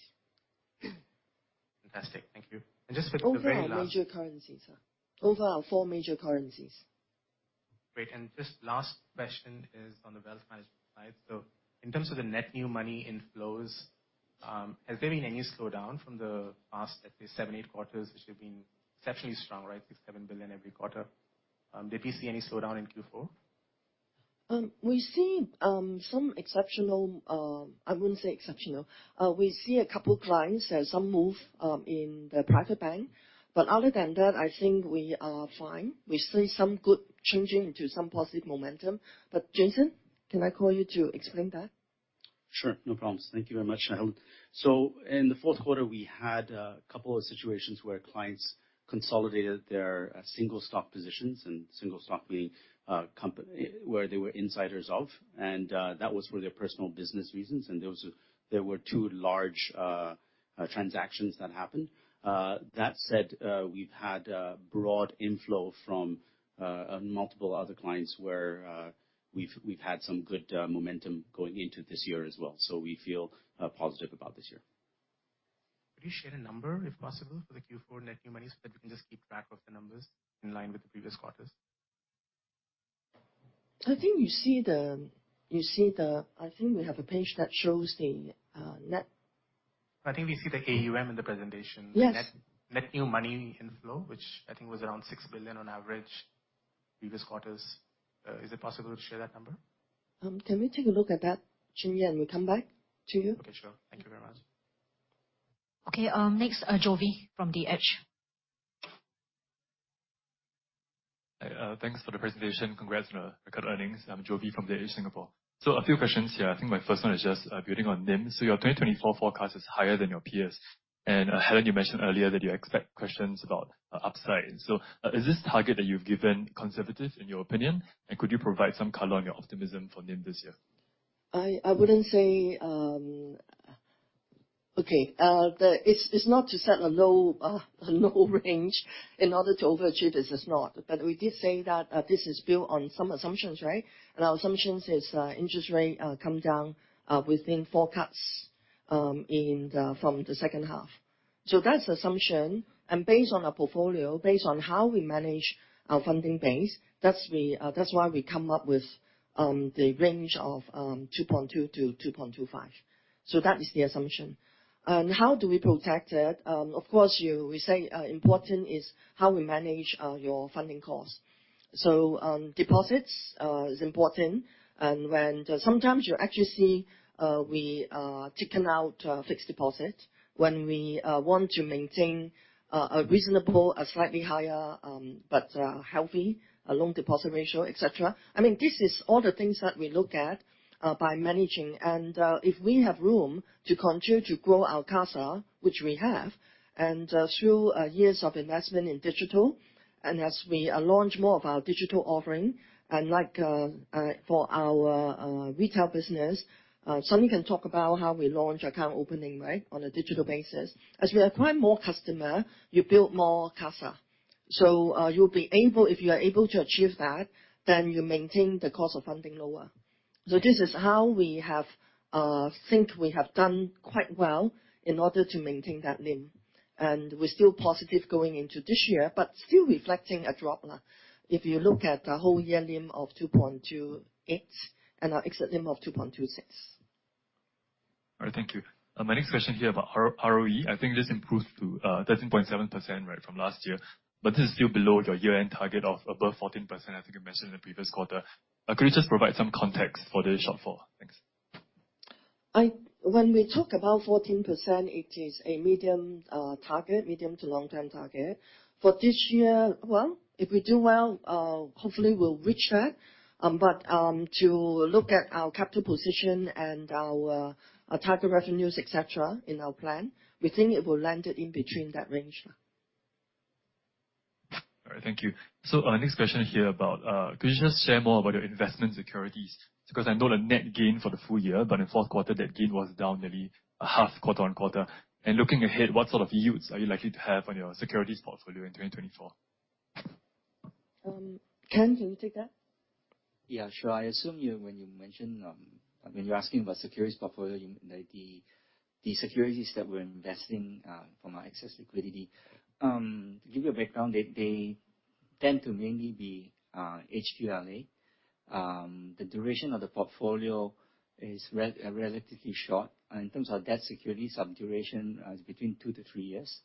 Fantastic. Thank you. Just for the very last- Over our major currencies, sir. Over our four major currencies. Great. Just last question is on the wealth management side. In terms of the net new money inflows, has there been any slowdown from the past, at least 7-8 quarters, which have been exceptionally strong, right? 6 billion-7 billion every quarter. Did we see any slowdown in Q4? We see some exceptional... I wouldn't say exceptional. We see a couple clients, there's some move in the private bank, but other than that, I think we are fine. We see some good changing into some positive momentum. But, Jason, can I call you to explain that? Sure. No problems. Thank you very much, Helen. So in the fourth quarter, we had a couple of situations where clients consolidated their single stock positions, and single stock being where they were insiders of, and that was for their personal business reasons, and there were two large transactions that happened. That said, we've had a broad inflow from multiple other clients where we've had some good momentum going into this year as well. So we feel positive about this year. Could you share a number, if possible, for the Q4 net new money, so that we can just keep track of the numbers in line with the previous quarters? So I think we have a page that shows the net. I think we see the AUM in the presentation. Yes. Net-net new money inflow, which I think was around 6 billion on average previous quarters. Is it possible to share that number? Can we take a look at that, Chin Yee, and we'll come back to you? Okay, sure. Thank you very much. Okay, next, Jovi from The Edge. Hi, thanks for the presentation. Congrats on the record earnings. I'm Jovi from The Edge Singapore. So a few questions here. I think my first one is just, building on NIM. So your 2024 forecast is higher than your peers. And, Helen, you mentioned earlier that you expect questions about, upside. So, is this target that you've given conservative in your opinion? And could you provide some color on your optimism for NIM this year? I wouldn't say. Okay, it's not to set a low range in order to overachieve. This is not. But we did say that this is built on some assumptions, right? And our assumptions is interest rate come down within four cuts from the second half. So that's the assumption. And based on our portfolio, based on how we manage our funding base, that's why we come up with the range of 2.2%-2.25%. So that is the assumption. And how do we protect it? Of course, we say important is how we manage your funding costs. So, deposits is important, and when sometimes you actually see we take in fixed deposit when we want to maintain a reasonable, a slightly higher, but healthy, a loan deposit ratio, et cetera. I mean, this is all the things that we look at by managing. And if we have room to continue to grow our CASA, which we have, and through years of investment in digital, and as we launch more of our digital offering, and like for our retail business, Sunny can talk about how we launch account opening, right, on a digital basis. As you acquire more customer, you build more CASA. So, you'll be able to achieve that, then you maintain the cost of funding lower. So this is how we have think we have done quite well in order to maintain that NIM. We're still positive going into this year, but still reflecting a drop, if you look at the whole year NIM of 2.28 and our exit NIM of 2.26. All right. Thank you. My next question here about ROE. I think this improved to 13.7%, right, from last year, but this is still below your year-end target of above 14%, I think you mentioned in the previous quarter. Could you just provide some context for the shortfall? Thanks. When we talk about 14%, it is a medium target, medium to long-term target. For this year, well, if we do well, hopefully we'll reach that. But to look at our capital position and our type of revenues, et cetera, in our plan, we think it will land in between that range. All right. Thank you. So, next question here about... Could you just share more about your investment securities? Because I know the net gain for the full year, but in fourth quarter, that gain was down nearly a half, quarter on quarter. And looking ahead, what sort of yields are you likely to have on your securities portfolio in 2024?... Ken, can you take that? Yeah, sure. I assume you, when you mentioned, when you're asking about securities portfolio, you mean, like, the, the securities that we're investing, from our excess liquidity. To give you a background, they, they tend to mainly be, HQLA. The duration of the portfolio is relatively short. In terms of debt securities, some duration is between two to three years.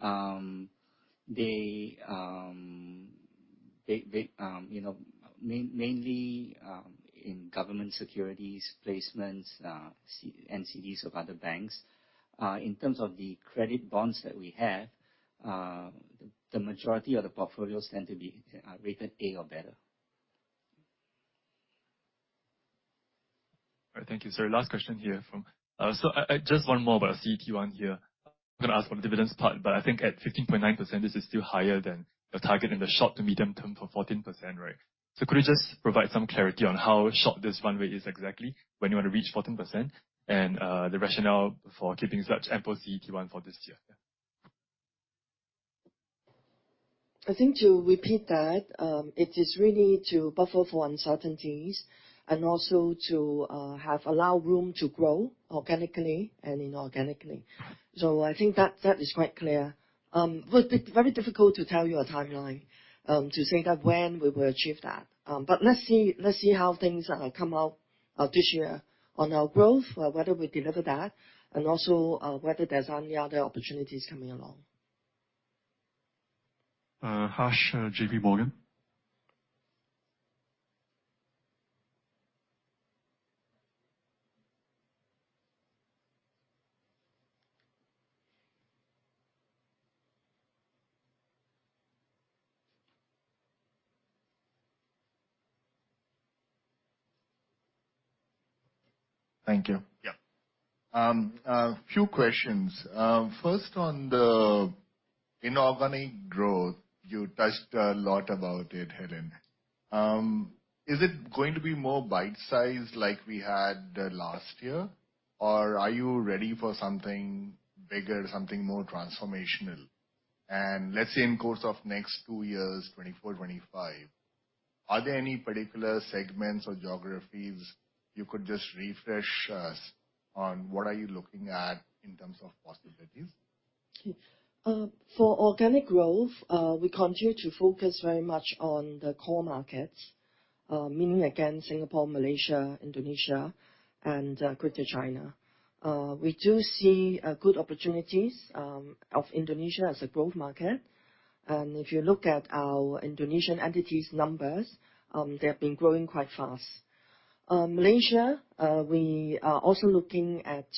They, you know, mainly, in government securities, placements, CDs, NCDs of other banks. In terms of the credit bonds that we have, the majority of the portfolios tend to be, rated A or better. All right. Thank you, sir. Last question here from... So, just one more about CET1 here. I'm gonna ask on the dividends part, but I think at 15.9%, this is still higher than the target in the short to medium term for 14%, right? So could you just provide some clarity on how short this runway is exactly, when you want to reach 14%, and the rationale for keeping such ample CET1 for this year? Yeah. I think to repeat that, it is really to buffer for uncertainties and also to allow room to grow organically and inorganically. So I think that, that is quite clear. But it's very difficult to tell you a timeline, to say that when we will achieve that. But let's see, let's see how things come out, this year on our growth, whether we deliver that, and also, whether there's any other opportunities coming along. Harsh, JPMorgan? Thank you. Yeah. A few questions. First, on the inorganic growth, you touched a lot about it, Helen. Is it going to be more bite-sized like we had last year? Or are you ready for something bigger, something more transformational? And let's say in course of next two years, 2024, 2025, are there any particular segments or geographies you could just refresh us on what are you looking at in terms of possibilities? For organic growth, we continue to focus very much on the core markets, meaning again, Singapore, Malaysia, Indonesia, and Greater China. We do see good opportunities of Indonesia as a growth market. And if you look at our Indonesian entities numbers, they have been growing quite fast. Malaysia, we are also looking at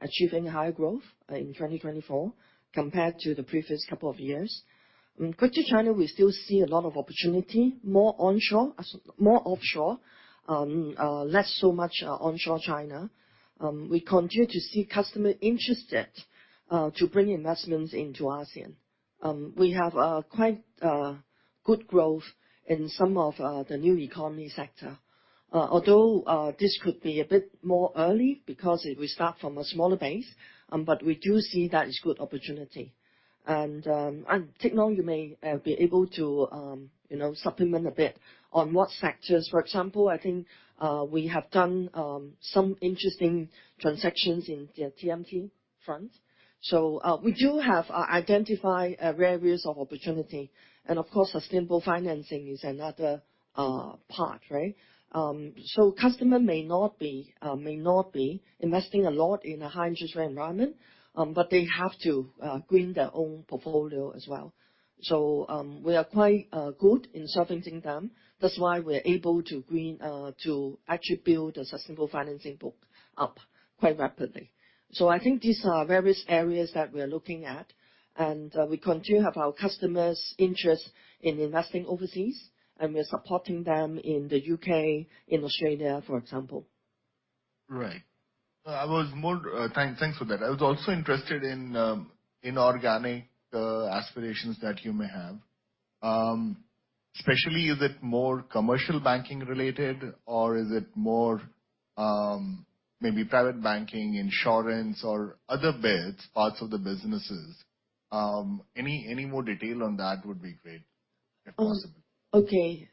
achieving higher growth in 2024 compared to the previous couple of years. In Greater China, we still see a lot of opportunity, more onshore, more offshore, less so much onshore China. We continue to see customer interested to bring investments into ASEAN. We have quite good growth in some of the new economy sector. Although, this could be a bit more early because it will start from a smaller base, but we do see that is good opportunity. And Teck Long, you may be able to, you know, supplement a bit on what sectors. For example, I think we have done some interesting transactions in the TMT front. So, we do have identified various of opportunity, and of course, sustainable financing is another part, right? So customer may not be investing a lot in a high interest rate environment, but they have to green their own portfolio as well. So, we are quite good in serving them. That's why we're able to green to actually build the sustainable financing book up quite rapidly. So I think these are various areas that we are looking at, and we continue to have our customers' interest in investing overseas, and we are supporting them in the UK, in Australia, for example. Right. Thanks for that. I was also interested in inorganic aspirations that you may have. Especially, is it more commercial banking related, or is it more, maybe private banking, insurance, or other bits, parts of the businesses? Any more detail on that would be great, if possible. Okay.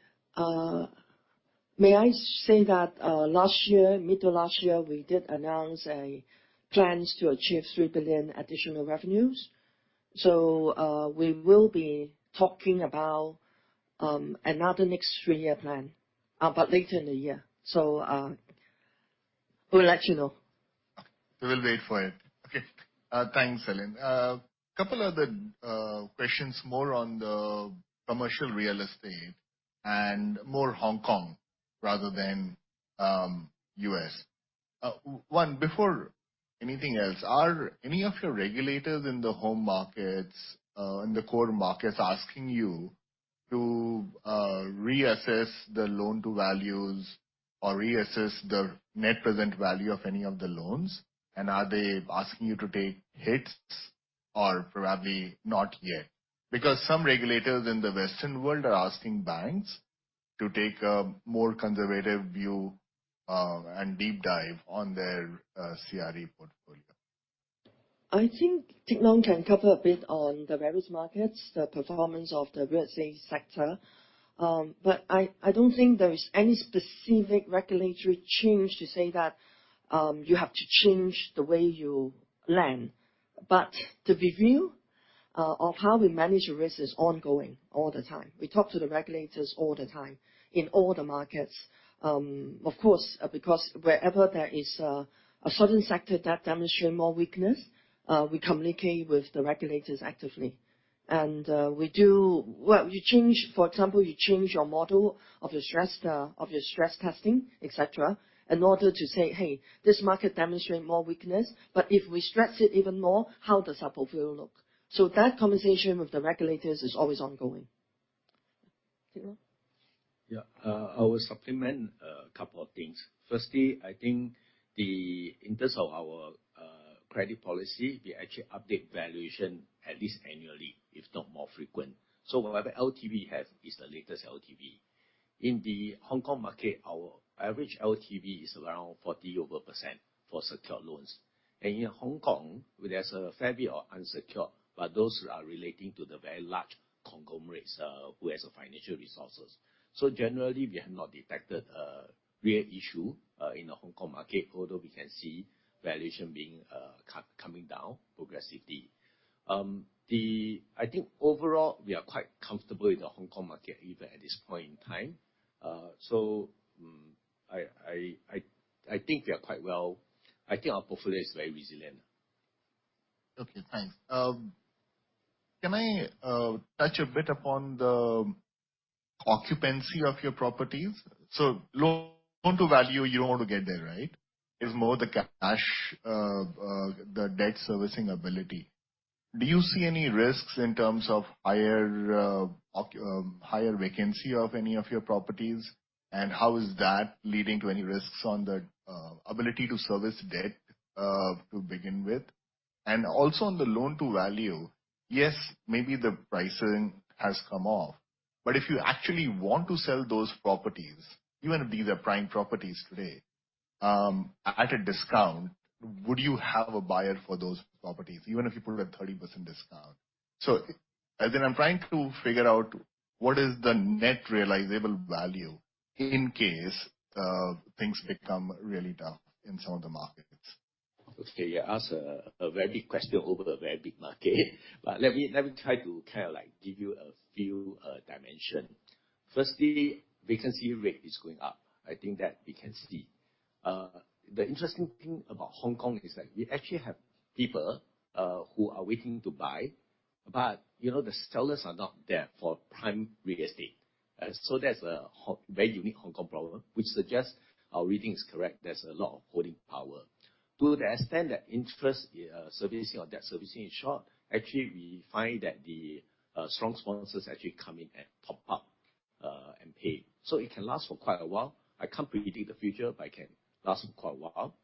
May I say that, last year, mid to last year, we did announce a plans to achieve 3 billion additional revenues. So, we will be talking about, another next three-year plan, but later in the year. So, we'll let you know. We will wait for it. Okay. Thanks, Helen. Couple other questions more on the commercial real estate and more Hong Kong rather than U.S. One, before anything else, are any of your regulators in the home markets, in the core markets, asking you to reassess the loan to values or reassess the net present value of any of the loans? And are they asking you to take hits or probably not yet? Because some regulators in the Western world are asking banks to take a more conservative view, and deep dive on their CRE portfolio.... I think Teck Long can cover a bit on the various markets, the performance of the real estate sector. But I, I don't think there is any specific regulatory change to say that, you have to change the way you lend. But the review, of how we manage risk is ongoing all the time. We talk to the regulators all the time, in all the markets. Of course, because wherever there is a, a certain sector that demonstrate more weakness, we communicate with the regulators actively. And, we do. Well, you change, for example, you change your model of your stress, of your stress testing, et cetera, in order to say, "Hey, this market demonstrate more weakness, but if we stretch it even more, how does our portfolio look?" So that conversation with the regulators is always ongoing. Teck Long? Yeah. I will supplement a couple of things. Firstly, I think the, in terms of our, credit policy, we actually update valuation at least annually, if not more frequent. So whatever LTV we have is the latest LTV. In the Hong Kong market, our average LTV is around over 40% for secured loans. And in Hong Kong, there's a fair bit of unsecured, but those are relating to the very large conglomerates, who has the financial resources. So generally, we have not detected a real issue, in the Hong Kong market, although we can see valuation being, coming down progressively. I think overall, we are quite comfortable in the Hong Kong market, even at this point in time. I think we are quite well. I think our portfolio is very resilient. Okay, thanks. Can I touch a bit upon the occupancy of your properties? So loan-to-value, you don't want to get there, right? It's more the cash, the debt servicing ability. Do you see any risks in terms of higher vacancy of any of your properties? And how is that leading to any risks on the ability to service debt to begin with? And also on the loan-to-value, yes, maybe the pricing has come off, but if you actually want to sell those properties, even if these are prime properties today, at a discount, would you have a buyer for those properties, even if you put a 30% discount? So as in I'm trying to figure out what is the net realizable value in case things become really tough in some of the markets. Okay, you ask a very big question over a very big market, but let me, let me try to kind of, like, give you a few dimension. Firstly, vacancy rate is going up. I think that we can see. The interesting thing about Hong Kong is that we actually have people who are waiting to buy, but, you know, the sellers are not there for prime real estate. So that's a very unique Hong Kong problem, which suggests our reading is correct. There's a lot of holding power. To the extent that interest servicing or debt servicing is short, actually, we find that the strong sponsors actually come in and top up and pay. So it can last for quite a while. I can't predict the future, but it can last for quite a while.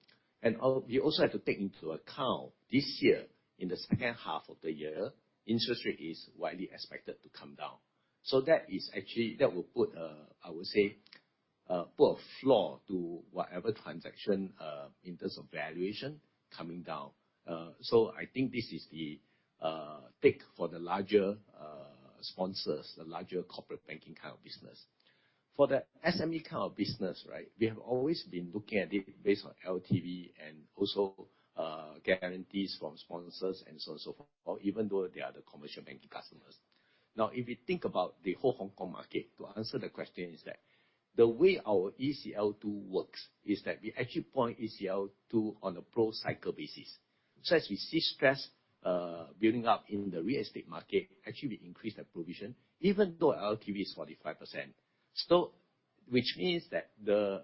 We also have to take into account, this year, in the second half of the year, interest rate is widely expected to come down. So that is actually. That will put a, I would say, floor to whatever transaction in terms of valuation coming down. So I think this is the take for the larger sponsors, the larger corporate banking kind of business. For the SME kind of business, right? We have always been looking at it based on LTV and also, guarantees from sponsors and so on, so forth, or even though they are the commercial banking customers. Now, if you think about the whole Hong Kong market, to answer the question, is that the way our ECL2 works is that we actually point ECL2 on a pro-cyclical basis. So as we see stress, building up in the real estate market, actually, we increase the provision, even though our LTV is 45%. So, which means that the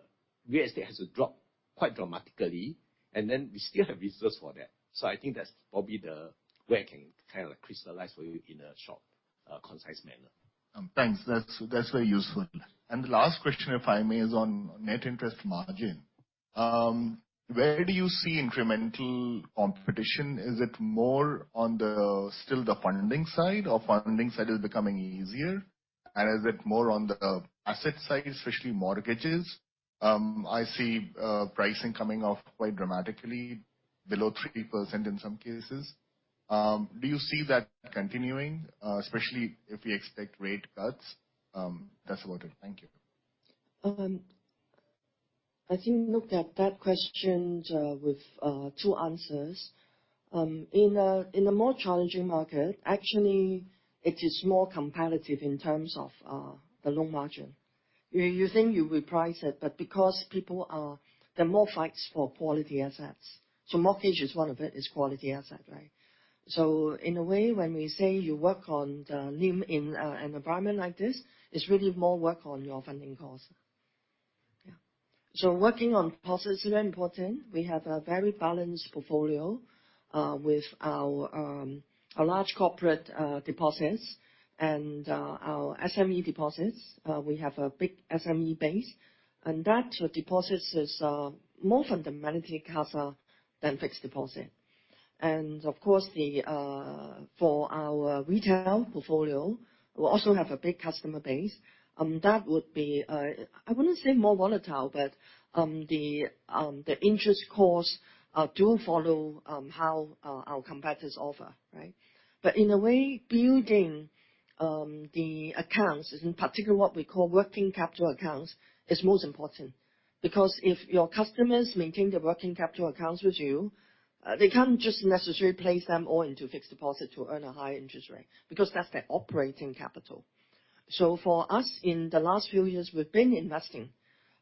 real estate has to drop quite dramatically, and then we still have reserves for that. So I think that's probably the way I can kind of crystallize for you in a short, concise manner. Thanks. That's very useful. And the last question, if I may, is on net interest margin. Where do you see incremental competition? Is it more on the still the funding side, or funding side is becoming easier? And is it more on the asset side, especially mortgages? I see pricing coming off quite dramatically, below 3% in some cases. Do you see that continuing, especially if we expect rate cuts? That's about it. Thank you. I think look at that question with two answers. In a more challenging market, actually it is more competitive in terms of the loan margin. You think you reprice it, but because there are more fights for quality assets, so mortgage is one of it, is quality asset, right? So in a way, when we say you work on the NIM in an environment like this, it's really more work on your funding costs. Yeah. So working on deposits is very important. We have a very balanced portfolio with our our large corporate deposits and our SME deposits. We have a big SME base, and that deposits is more fundamentally cost than fixed deposit. Of course, for our retail portfolio, we also have a big customer base, and that would be, I wouldn't say more volatile, but the interest costs do follow how our competitors offer, right? But in a way, building the accounts, in particular what we call working capital accounts, is most important. Because if your customers maintain the working capital accounts with you, they can't just necessarily place them all into fixed deposit to earn a higher interest rate, because that's their operating capital. So for us, in the last few years, we've been investing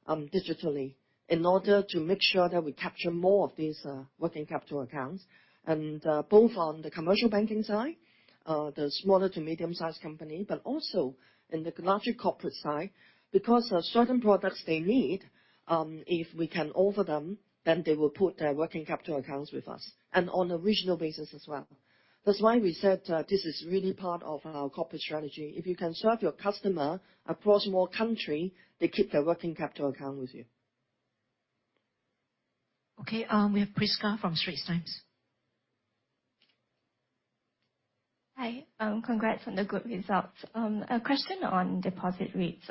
digitally in order to make sure that we capture more of these working capital accounts, and both on the commercial banking side, the smaller to medium-sized company, but also in the larger corporate side. Because there are certain products they need, if we can offer them, then they will put their working capital accounts with us and on a regional basis as well. That's why we said, this is really part of our corporate strategy. If you can serve your customer across more country, they keep their working capital account with you. Okay, we have Prisca from Straits Times. Hi, congrats on the good results. A question on deposit rates.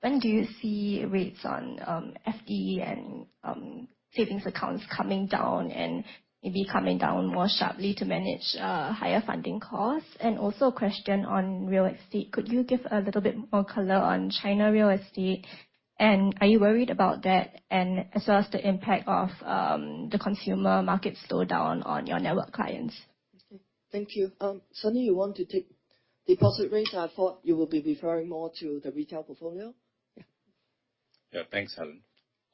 When do you see rates on FD and savings accounts coming down and maybe coming down more sharply to manage higher funding costs? And also a question on real estate: Could you give a little bit more color on China real estate, and are you worried about that, and as well as the impact of the consumer market slowdown on your network clients? Okay, thank you. Sunny, you want to take deposit rates? I thought you will be referring more to the retail portfolio. Yeah. Yeah. Thanks, Helen.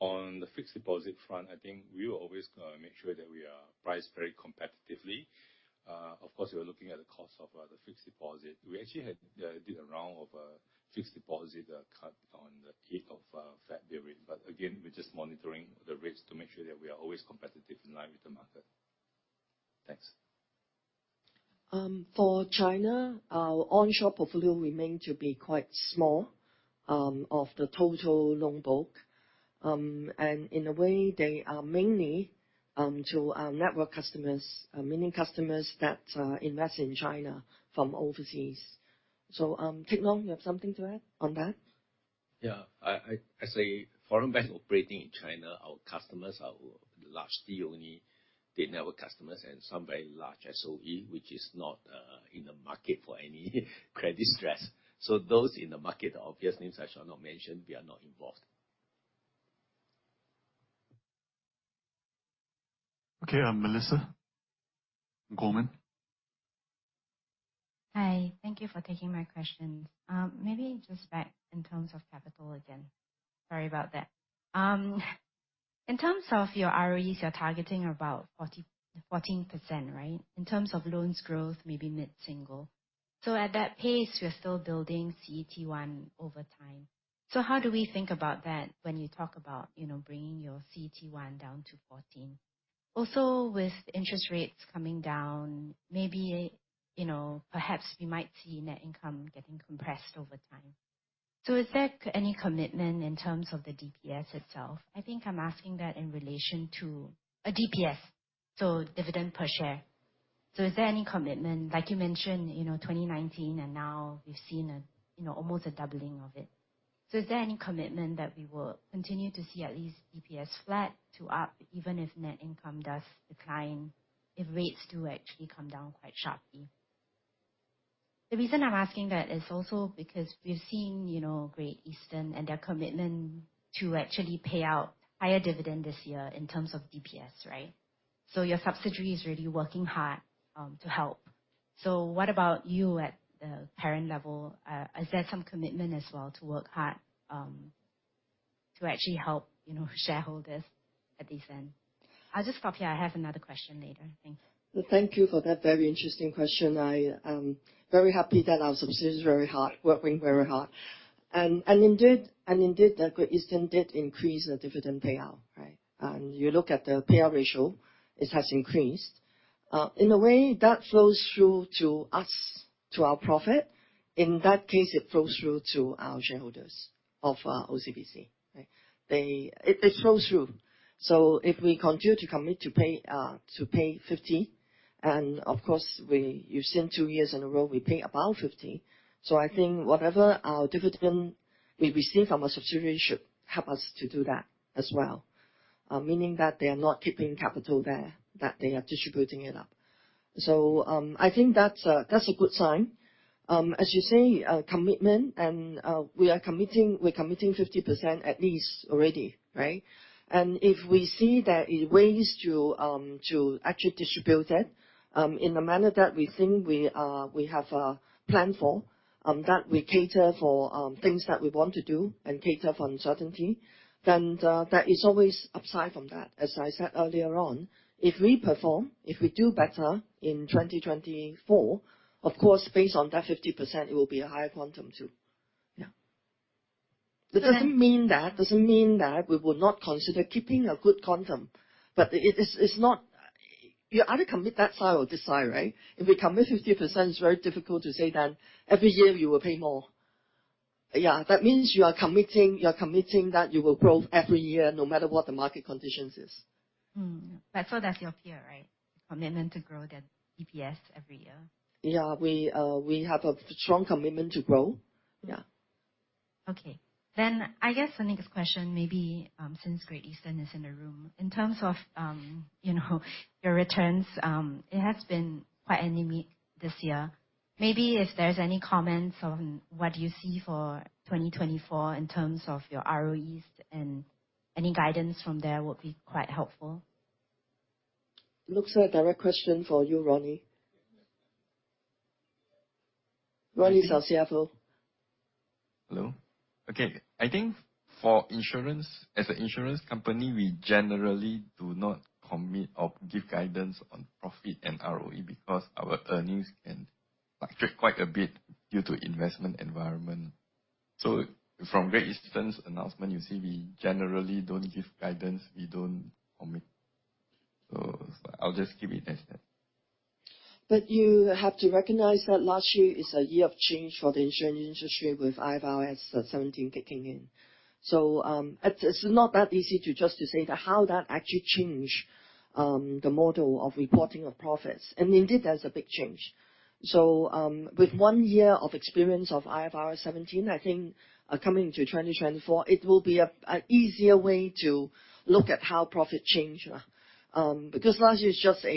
On the fixed deposit front, I think we will always make sure that we are priced very competitively. Of course, we are looking at the cost of the fixed deposit. We actually did a round of fixed deposit cut on the 8th of February. But again, we're just monitoring the rates to make sure that we are always competitive in line with the market. Thanks. For China, our onshore portfolio remain to be quite small, of the total loan book. In a way, they are mainly to our network customers, meaning customers that invest in China from overseas. Teck Long, you have something to add on that? Yeah. As a foreign bank operating in China, our customers are largely only the network customers and some very large SOE, which is not in the market for any credit stress. So those in the market, obviously, I shall not mention. We are not involved. Okay, Melissa, Goldman. Hi, thank you for taking my questions. Maybe just back in terms of capital again. Sorry about that. In terms of your ROEs, you're targeting about 14%, right? In terms of loans growth, maybe mid-single. So at that pace, you're still building CET1 over time. So how do we think about that when you talk about, you know, bringing your CET1 down to 14? Also, with interest rates coming down, maybe, you know, perhaps we might see net income getting compressed over time. So is there any commitment in terms of the DPS itself? I think I'm asking that in relation to a DPS, so dividend per share. So is there any commitment, like you mentioned, you know, 2019, and now we've seen a, you know, almost a doubling of it. So is there any commitment that we will continue to see at least DPS flat to up, even if net income does decline, if rates do actually come down quite sharply? The reason I'm asking that is also because we're seeing, you know, Great Eastern and their commitment to actually pay out higher dividend this year in terms of DPS, right? So your subsidiary is really working hard to help. So what about you at the parent level? Is there some commitment as well to work hard to actually help, you know, shareholders at this end? I'll just stop here. I have another question later. Thanks. Thank you for that very interesting question. I very happy that our subsidiary is very hard-working, very hard. And indeed, the Great Eastern did increase the dividend payout, right? And you look at the payout ratio, it has increased. In a way, that flows through to us, to our profit. In that case, it flows through to our shareholders of OCBC, right? It flows through. So if we continue to commit to pay 50, and of course you've seen two years in a row, we pay about 50. So I think whatever our dividend we receive from a subsidiary should help us to do that as well, meaning that they are not keeping capital there, that they are distributing it up. So I think that's a good sign. As you say, commitment and, we are committing, we're committing 50% at least already, right? And if we see that in ways to, to actually distribute it, in a manner that we think we, we have a plan for, that we cater for, things that we want to do and cater for uncertainty, then, that is always upside from that. As I said earlier on, if we perform, if we do better in 2024, of course, based on that 50%, it will be a higher quantum, too. Yeah. That doesn't mean that, doesn't mean that we will not consider keeping a good quantum, but it, it's, it's not... You either commit that side or this side, right? If we commit 50%, it's very difficult to say that every year we will pay more.... Yeah, that means you are committing, you are committing that you will grow every year, no matter what the market conditions is. Mm-hmm. But so does your peer, right? Commitment to grow their EPS every year. Yeah, we have a strong commitment to grow. Yeah. Okay. Then I guess the next question, maybe, since Great Eastern is in the room, in terms of, you know, your returns, it has been quite anemic this year. Maybe if there's any comments on what you see for 2024 in terms of your ROEs, and any guidance from there would be quite helpful. Looks like a direct question for you, Ronnie. Ronnie Tan, CFO. Hello. Okay, I think for insurance, as an insurance company, we generally do not commit or give guidance on profit and ROE because our earnings can fluctuate quite a bit due to investment environment. So from Great Eastern's announcement, you see, we generally don't give guidance, we don't commit. So I'll just keep it as that. But you have to recognize that last year is a year of change for the insurance industry with IFRS 17 kicking in. So, it's not that easy to just to say that how that actually changed the model of reporting of profits, and indeed, there's a big change. So, with one year of experience of IFRS 17, I think, coming into 2024, it will be an easier way to look at how profit change. Because last year's just a,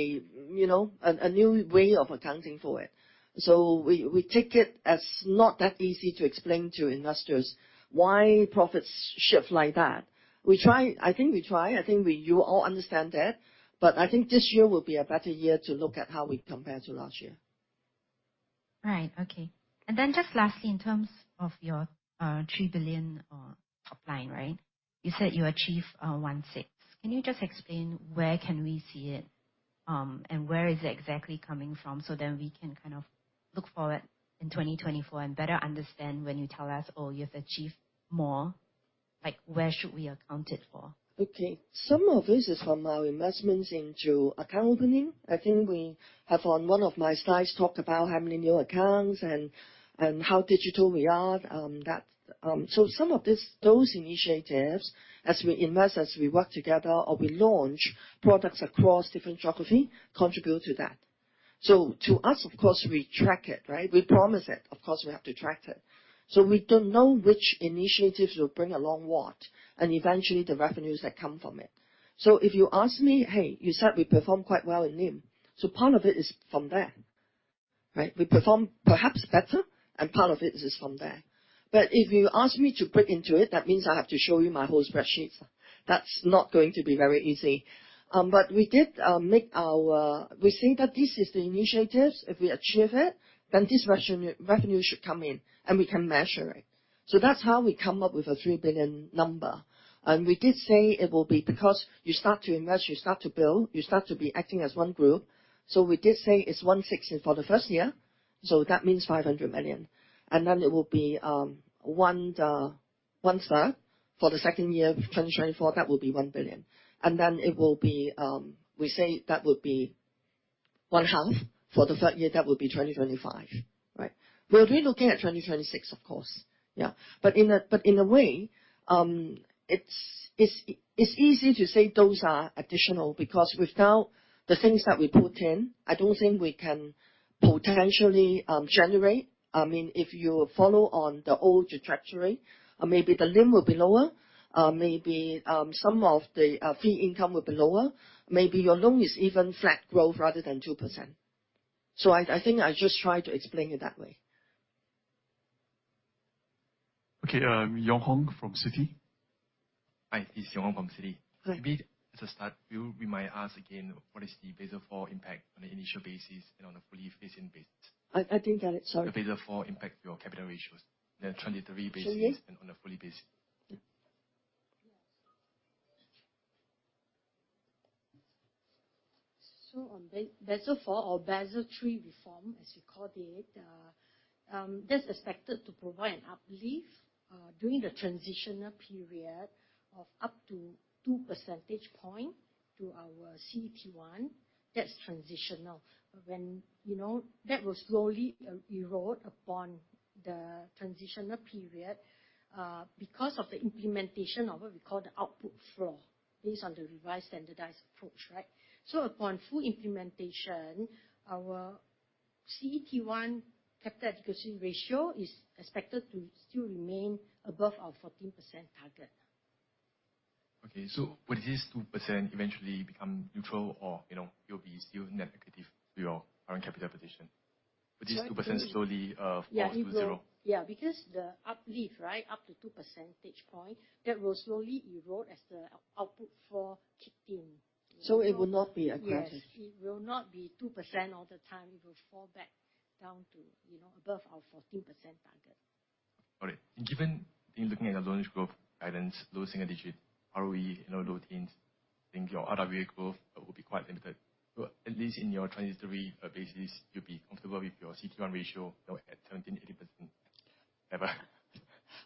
you know, a new way of accounting for it, so we take it as not that easy to explain to investors why profits shift like that. We try. I think we try. I think we—you all understand that, but I think this year will be a better year to look at how we compare to last year. Right. Okay. And then just lastly, in terms of your 3 billion top line, right? You said you achieved 1.6 billion. Can you just explain where can we see it, and where is it exactly coming from? So then we can kind of look forward in 2024 and better understand when you tell us, "Oh, you've achieved more." Like, where should we account it for? Okay. Some of this is from our investments into account opening. I think we have, on one of my slides, talked about how many new accounts and how digital we are, so some of this, those initiatives, as we invest, as we work together or we launch products across different geography, contribute to that. So to us, of course, we track it, right? We promise it. Of course, we have to track it. So we don't know which initiatives will bring along what, and eventually, the revenues that come from it. So if you ask me, "Hey, you said we performed quite well in NIM," so part of it is from there, right? We performed perhaps better, and part of it is from there. But if you ask me to break into it, that means I have to show you my whole spreadsheet. That's not going to be very easy. But we did. We think that this is the initiatives. If we achieve it, then this revenue, revenue should come in, and we can measure it. So that's how we come up with a 3 billion number. And we did say it will be because you start to invest, you start to build, you start to be acting as One Group. So we did say it's 1/6 for the first year, so that means 500 million. And then it will be one, 1/3 for the second year, 2024, that will be 1 billion. And then it will be, we say that will be 1/2 for the third year, that will be 2025, right? We'll be looking at 2026, of course. Yeah, but in a way, it's easy to say those are additional because without the things that we put in, I don't think we can potentially generate. I mean, if you follow on the old trajectory, maybe the NIM will be lower, maybe some of the fee income will be lower. Maybe your loan is even flat growth rather than 2%. So I think I just tried to explain it that way. Okay, Yong Hong from Citi. Hi, it's Yong Hong from Citi. Hi. Maybe as a start, you, we might ask again, what is the Basel IV impact on the initial basis and on a fully phased-in basis? I didn't get it, sorry. The Basel IV impact to your capital ratios, the transitory basis- Sorry. and on a fully basis. So on Basel IV or Basel III reform, as you called it, that's expected to provide an uplift, during the transitional period of up to 2 percentage points to our CET1. That's transitional. You know, that will slowly, erode upon the transitional period, because of the implementation of what we call the output floor, based on the revised standardized approach, right? So upon full implementation, our CET1 capital adequacy ratio is expected to still remain above our 14% target. Okay, so would this 2% eventually become neutral or, you know, it'll be still net negative to your current capital position? Sure. Would this 2% slowly fall to zero? Yeah, it will. Yeah, because the uplift, right, up to 2 percentage points, that will slowly erode as the output floor kick in. It will not be aggressive. Yes, it will not be 2% all the time. It will fall back down to, you know, above our 14% target. Got it. And given, in looking at the loan growth guidance, low single digit ROE, you know, low teens, I think your RWA growth will be quite limited. So at least in your transitory basis, you'll be comfortable with your CET1 ratio, you know, at 13.8%, ever?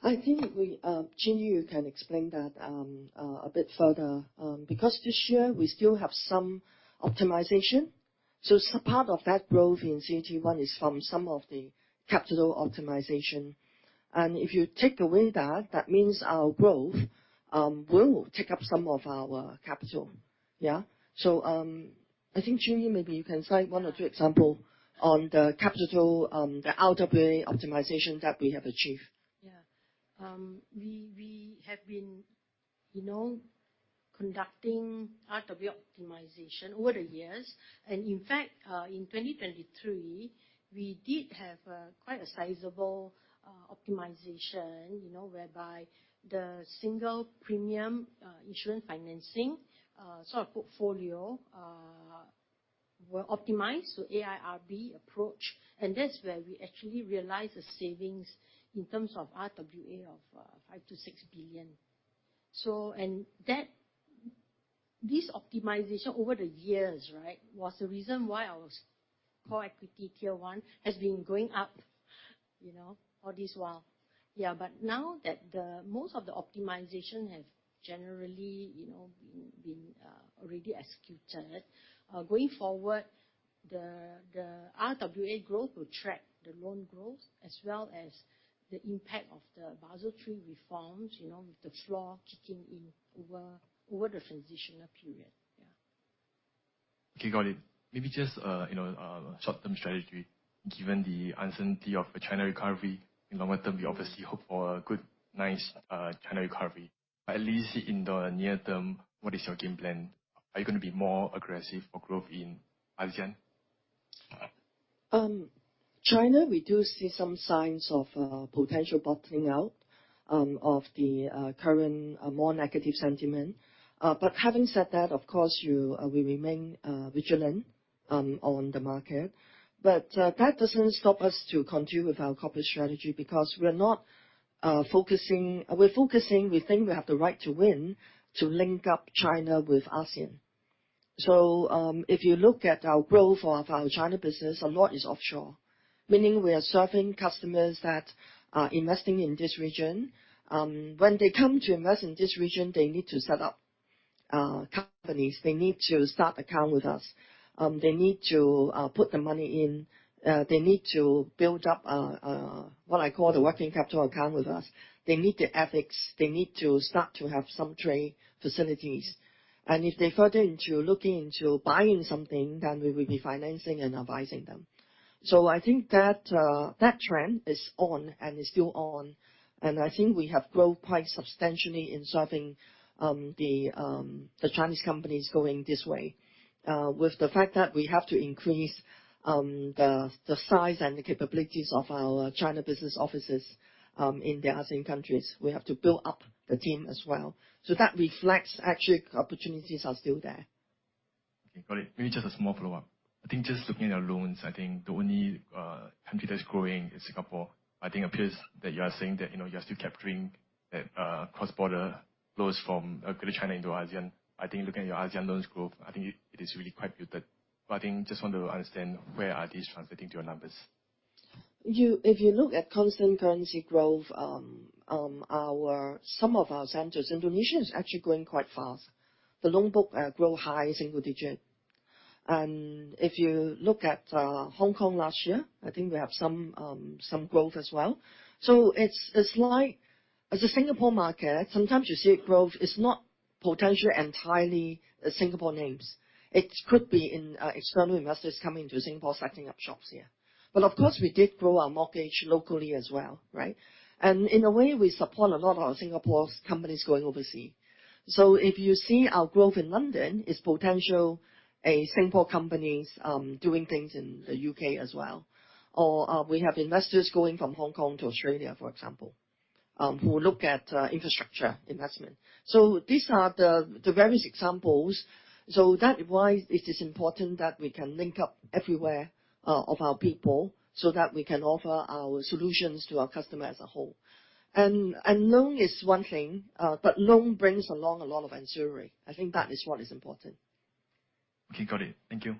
I think we, Chin Yee can explain that a bit further, because this year, we still have some optimization. So part of that growth in CET1 is from some of the capital optimization. And if you take away that, that means our growth will take up some of our capital. Yeah? So, I think, Chin Yee, maybe you can cite one or two example on the capital, the RWA optimization that we have achieved. Yeah. We have been, you know, conducting RWA optimization over the years. And in fact, in 2023, we did have quite a sizable optimization, you know, whereby the single premium insurance financing sort of portfolio were optimized, so AIRB approach. And that's where we actually realized the savings in terms of RWA of 5 billion-6 billion. So. And that—this optimization over the years, right? Was the reason why our Common Equity Tier 1 has been going up, you know, all this while. Yeah, but now that the most of the optimization have generally, you know, been already executed, going forward, the RWA growth will track the loan growth as well as the impact of the Basel III reforms, you know, with the floor kicking in over the transitional period. Yeah. Okay, got it. Maybe just, you know, short-term strategy, given the uncertainty of the China recovery. In longer term, we obviously hope for a good, nice, China recovery. But at least in the near term, what is your game plan? Are you going to be more aggressive for growth in ASEAN? China, we do see some signs of potential bottoming out of the current more negative sentiment. But having said that, of course, we remain vigilant on the market. But that doesn't stop us to continue with our corporate strategy, because we're focusing, we think we have the right to win, to link up China with ASEAN. So, if you look at our growth of our China business, a lot is offshore, meaning we are serving customers that are investing in this region. When they come to invest in this region, they need to set up companies. They need to start account with us. They need to put the money in. They need to build up what I call the working capital account with us. They need the FX. They need to start to have some trade facilities. If they further into looking into buying something, then we will be financing and advising them. So I think that trend is on and is still on, and I think we have grown quite substantially in serving the Chinese companies going this way. With the fact that we have to increase the size and the capabilities of our China business offices in the ASEAN countries. We have to build up the team as well. So that reflects actually, opportunities are still there. Okay, got it. Maybe just a small follow-up. I think just looking at our loans, I think the only country that is growing is Singapore. I think appears that you are saying that, you know, you are still capturing that cross-border flows from Greater China into ASEAN. I think looking at your ASEAN loans growth, I think it is really quite muted. But I think just want to understand, where are these translating to your numbers? If you look at constant currency growth, some of our centers, Indonesia is actually growing quite fast. The loan book grow high single digit. And if you look at, Hong Kong last year, I think we have some, some growth as well. So it's like as a Singapore market, sometimes you see a growth is not potentially entirely Singapore names. It could be in, external investors coming to Singapore, setting up shops here. But of course, we did grow our mortgage locally as well, right? And in a way, we support a lot of Singapore's companies going overseas. So if you see our growth in London, is potential a Singapore companies, doing things in the UK as well. Or, we have investors going from Hong Kong to Australia, for example, who look at, infrastructure investment. So these are the various examples. So that is why it is important that we can link up everywhere of our people, so that we can offer our solutions to our customer as a whole. And loan is one thing, but loan brings along a lot of ancillary. I think that is what is important. Okay, got it. Thank you.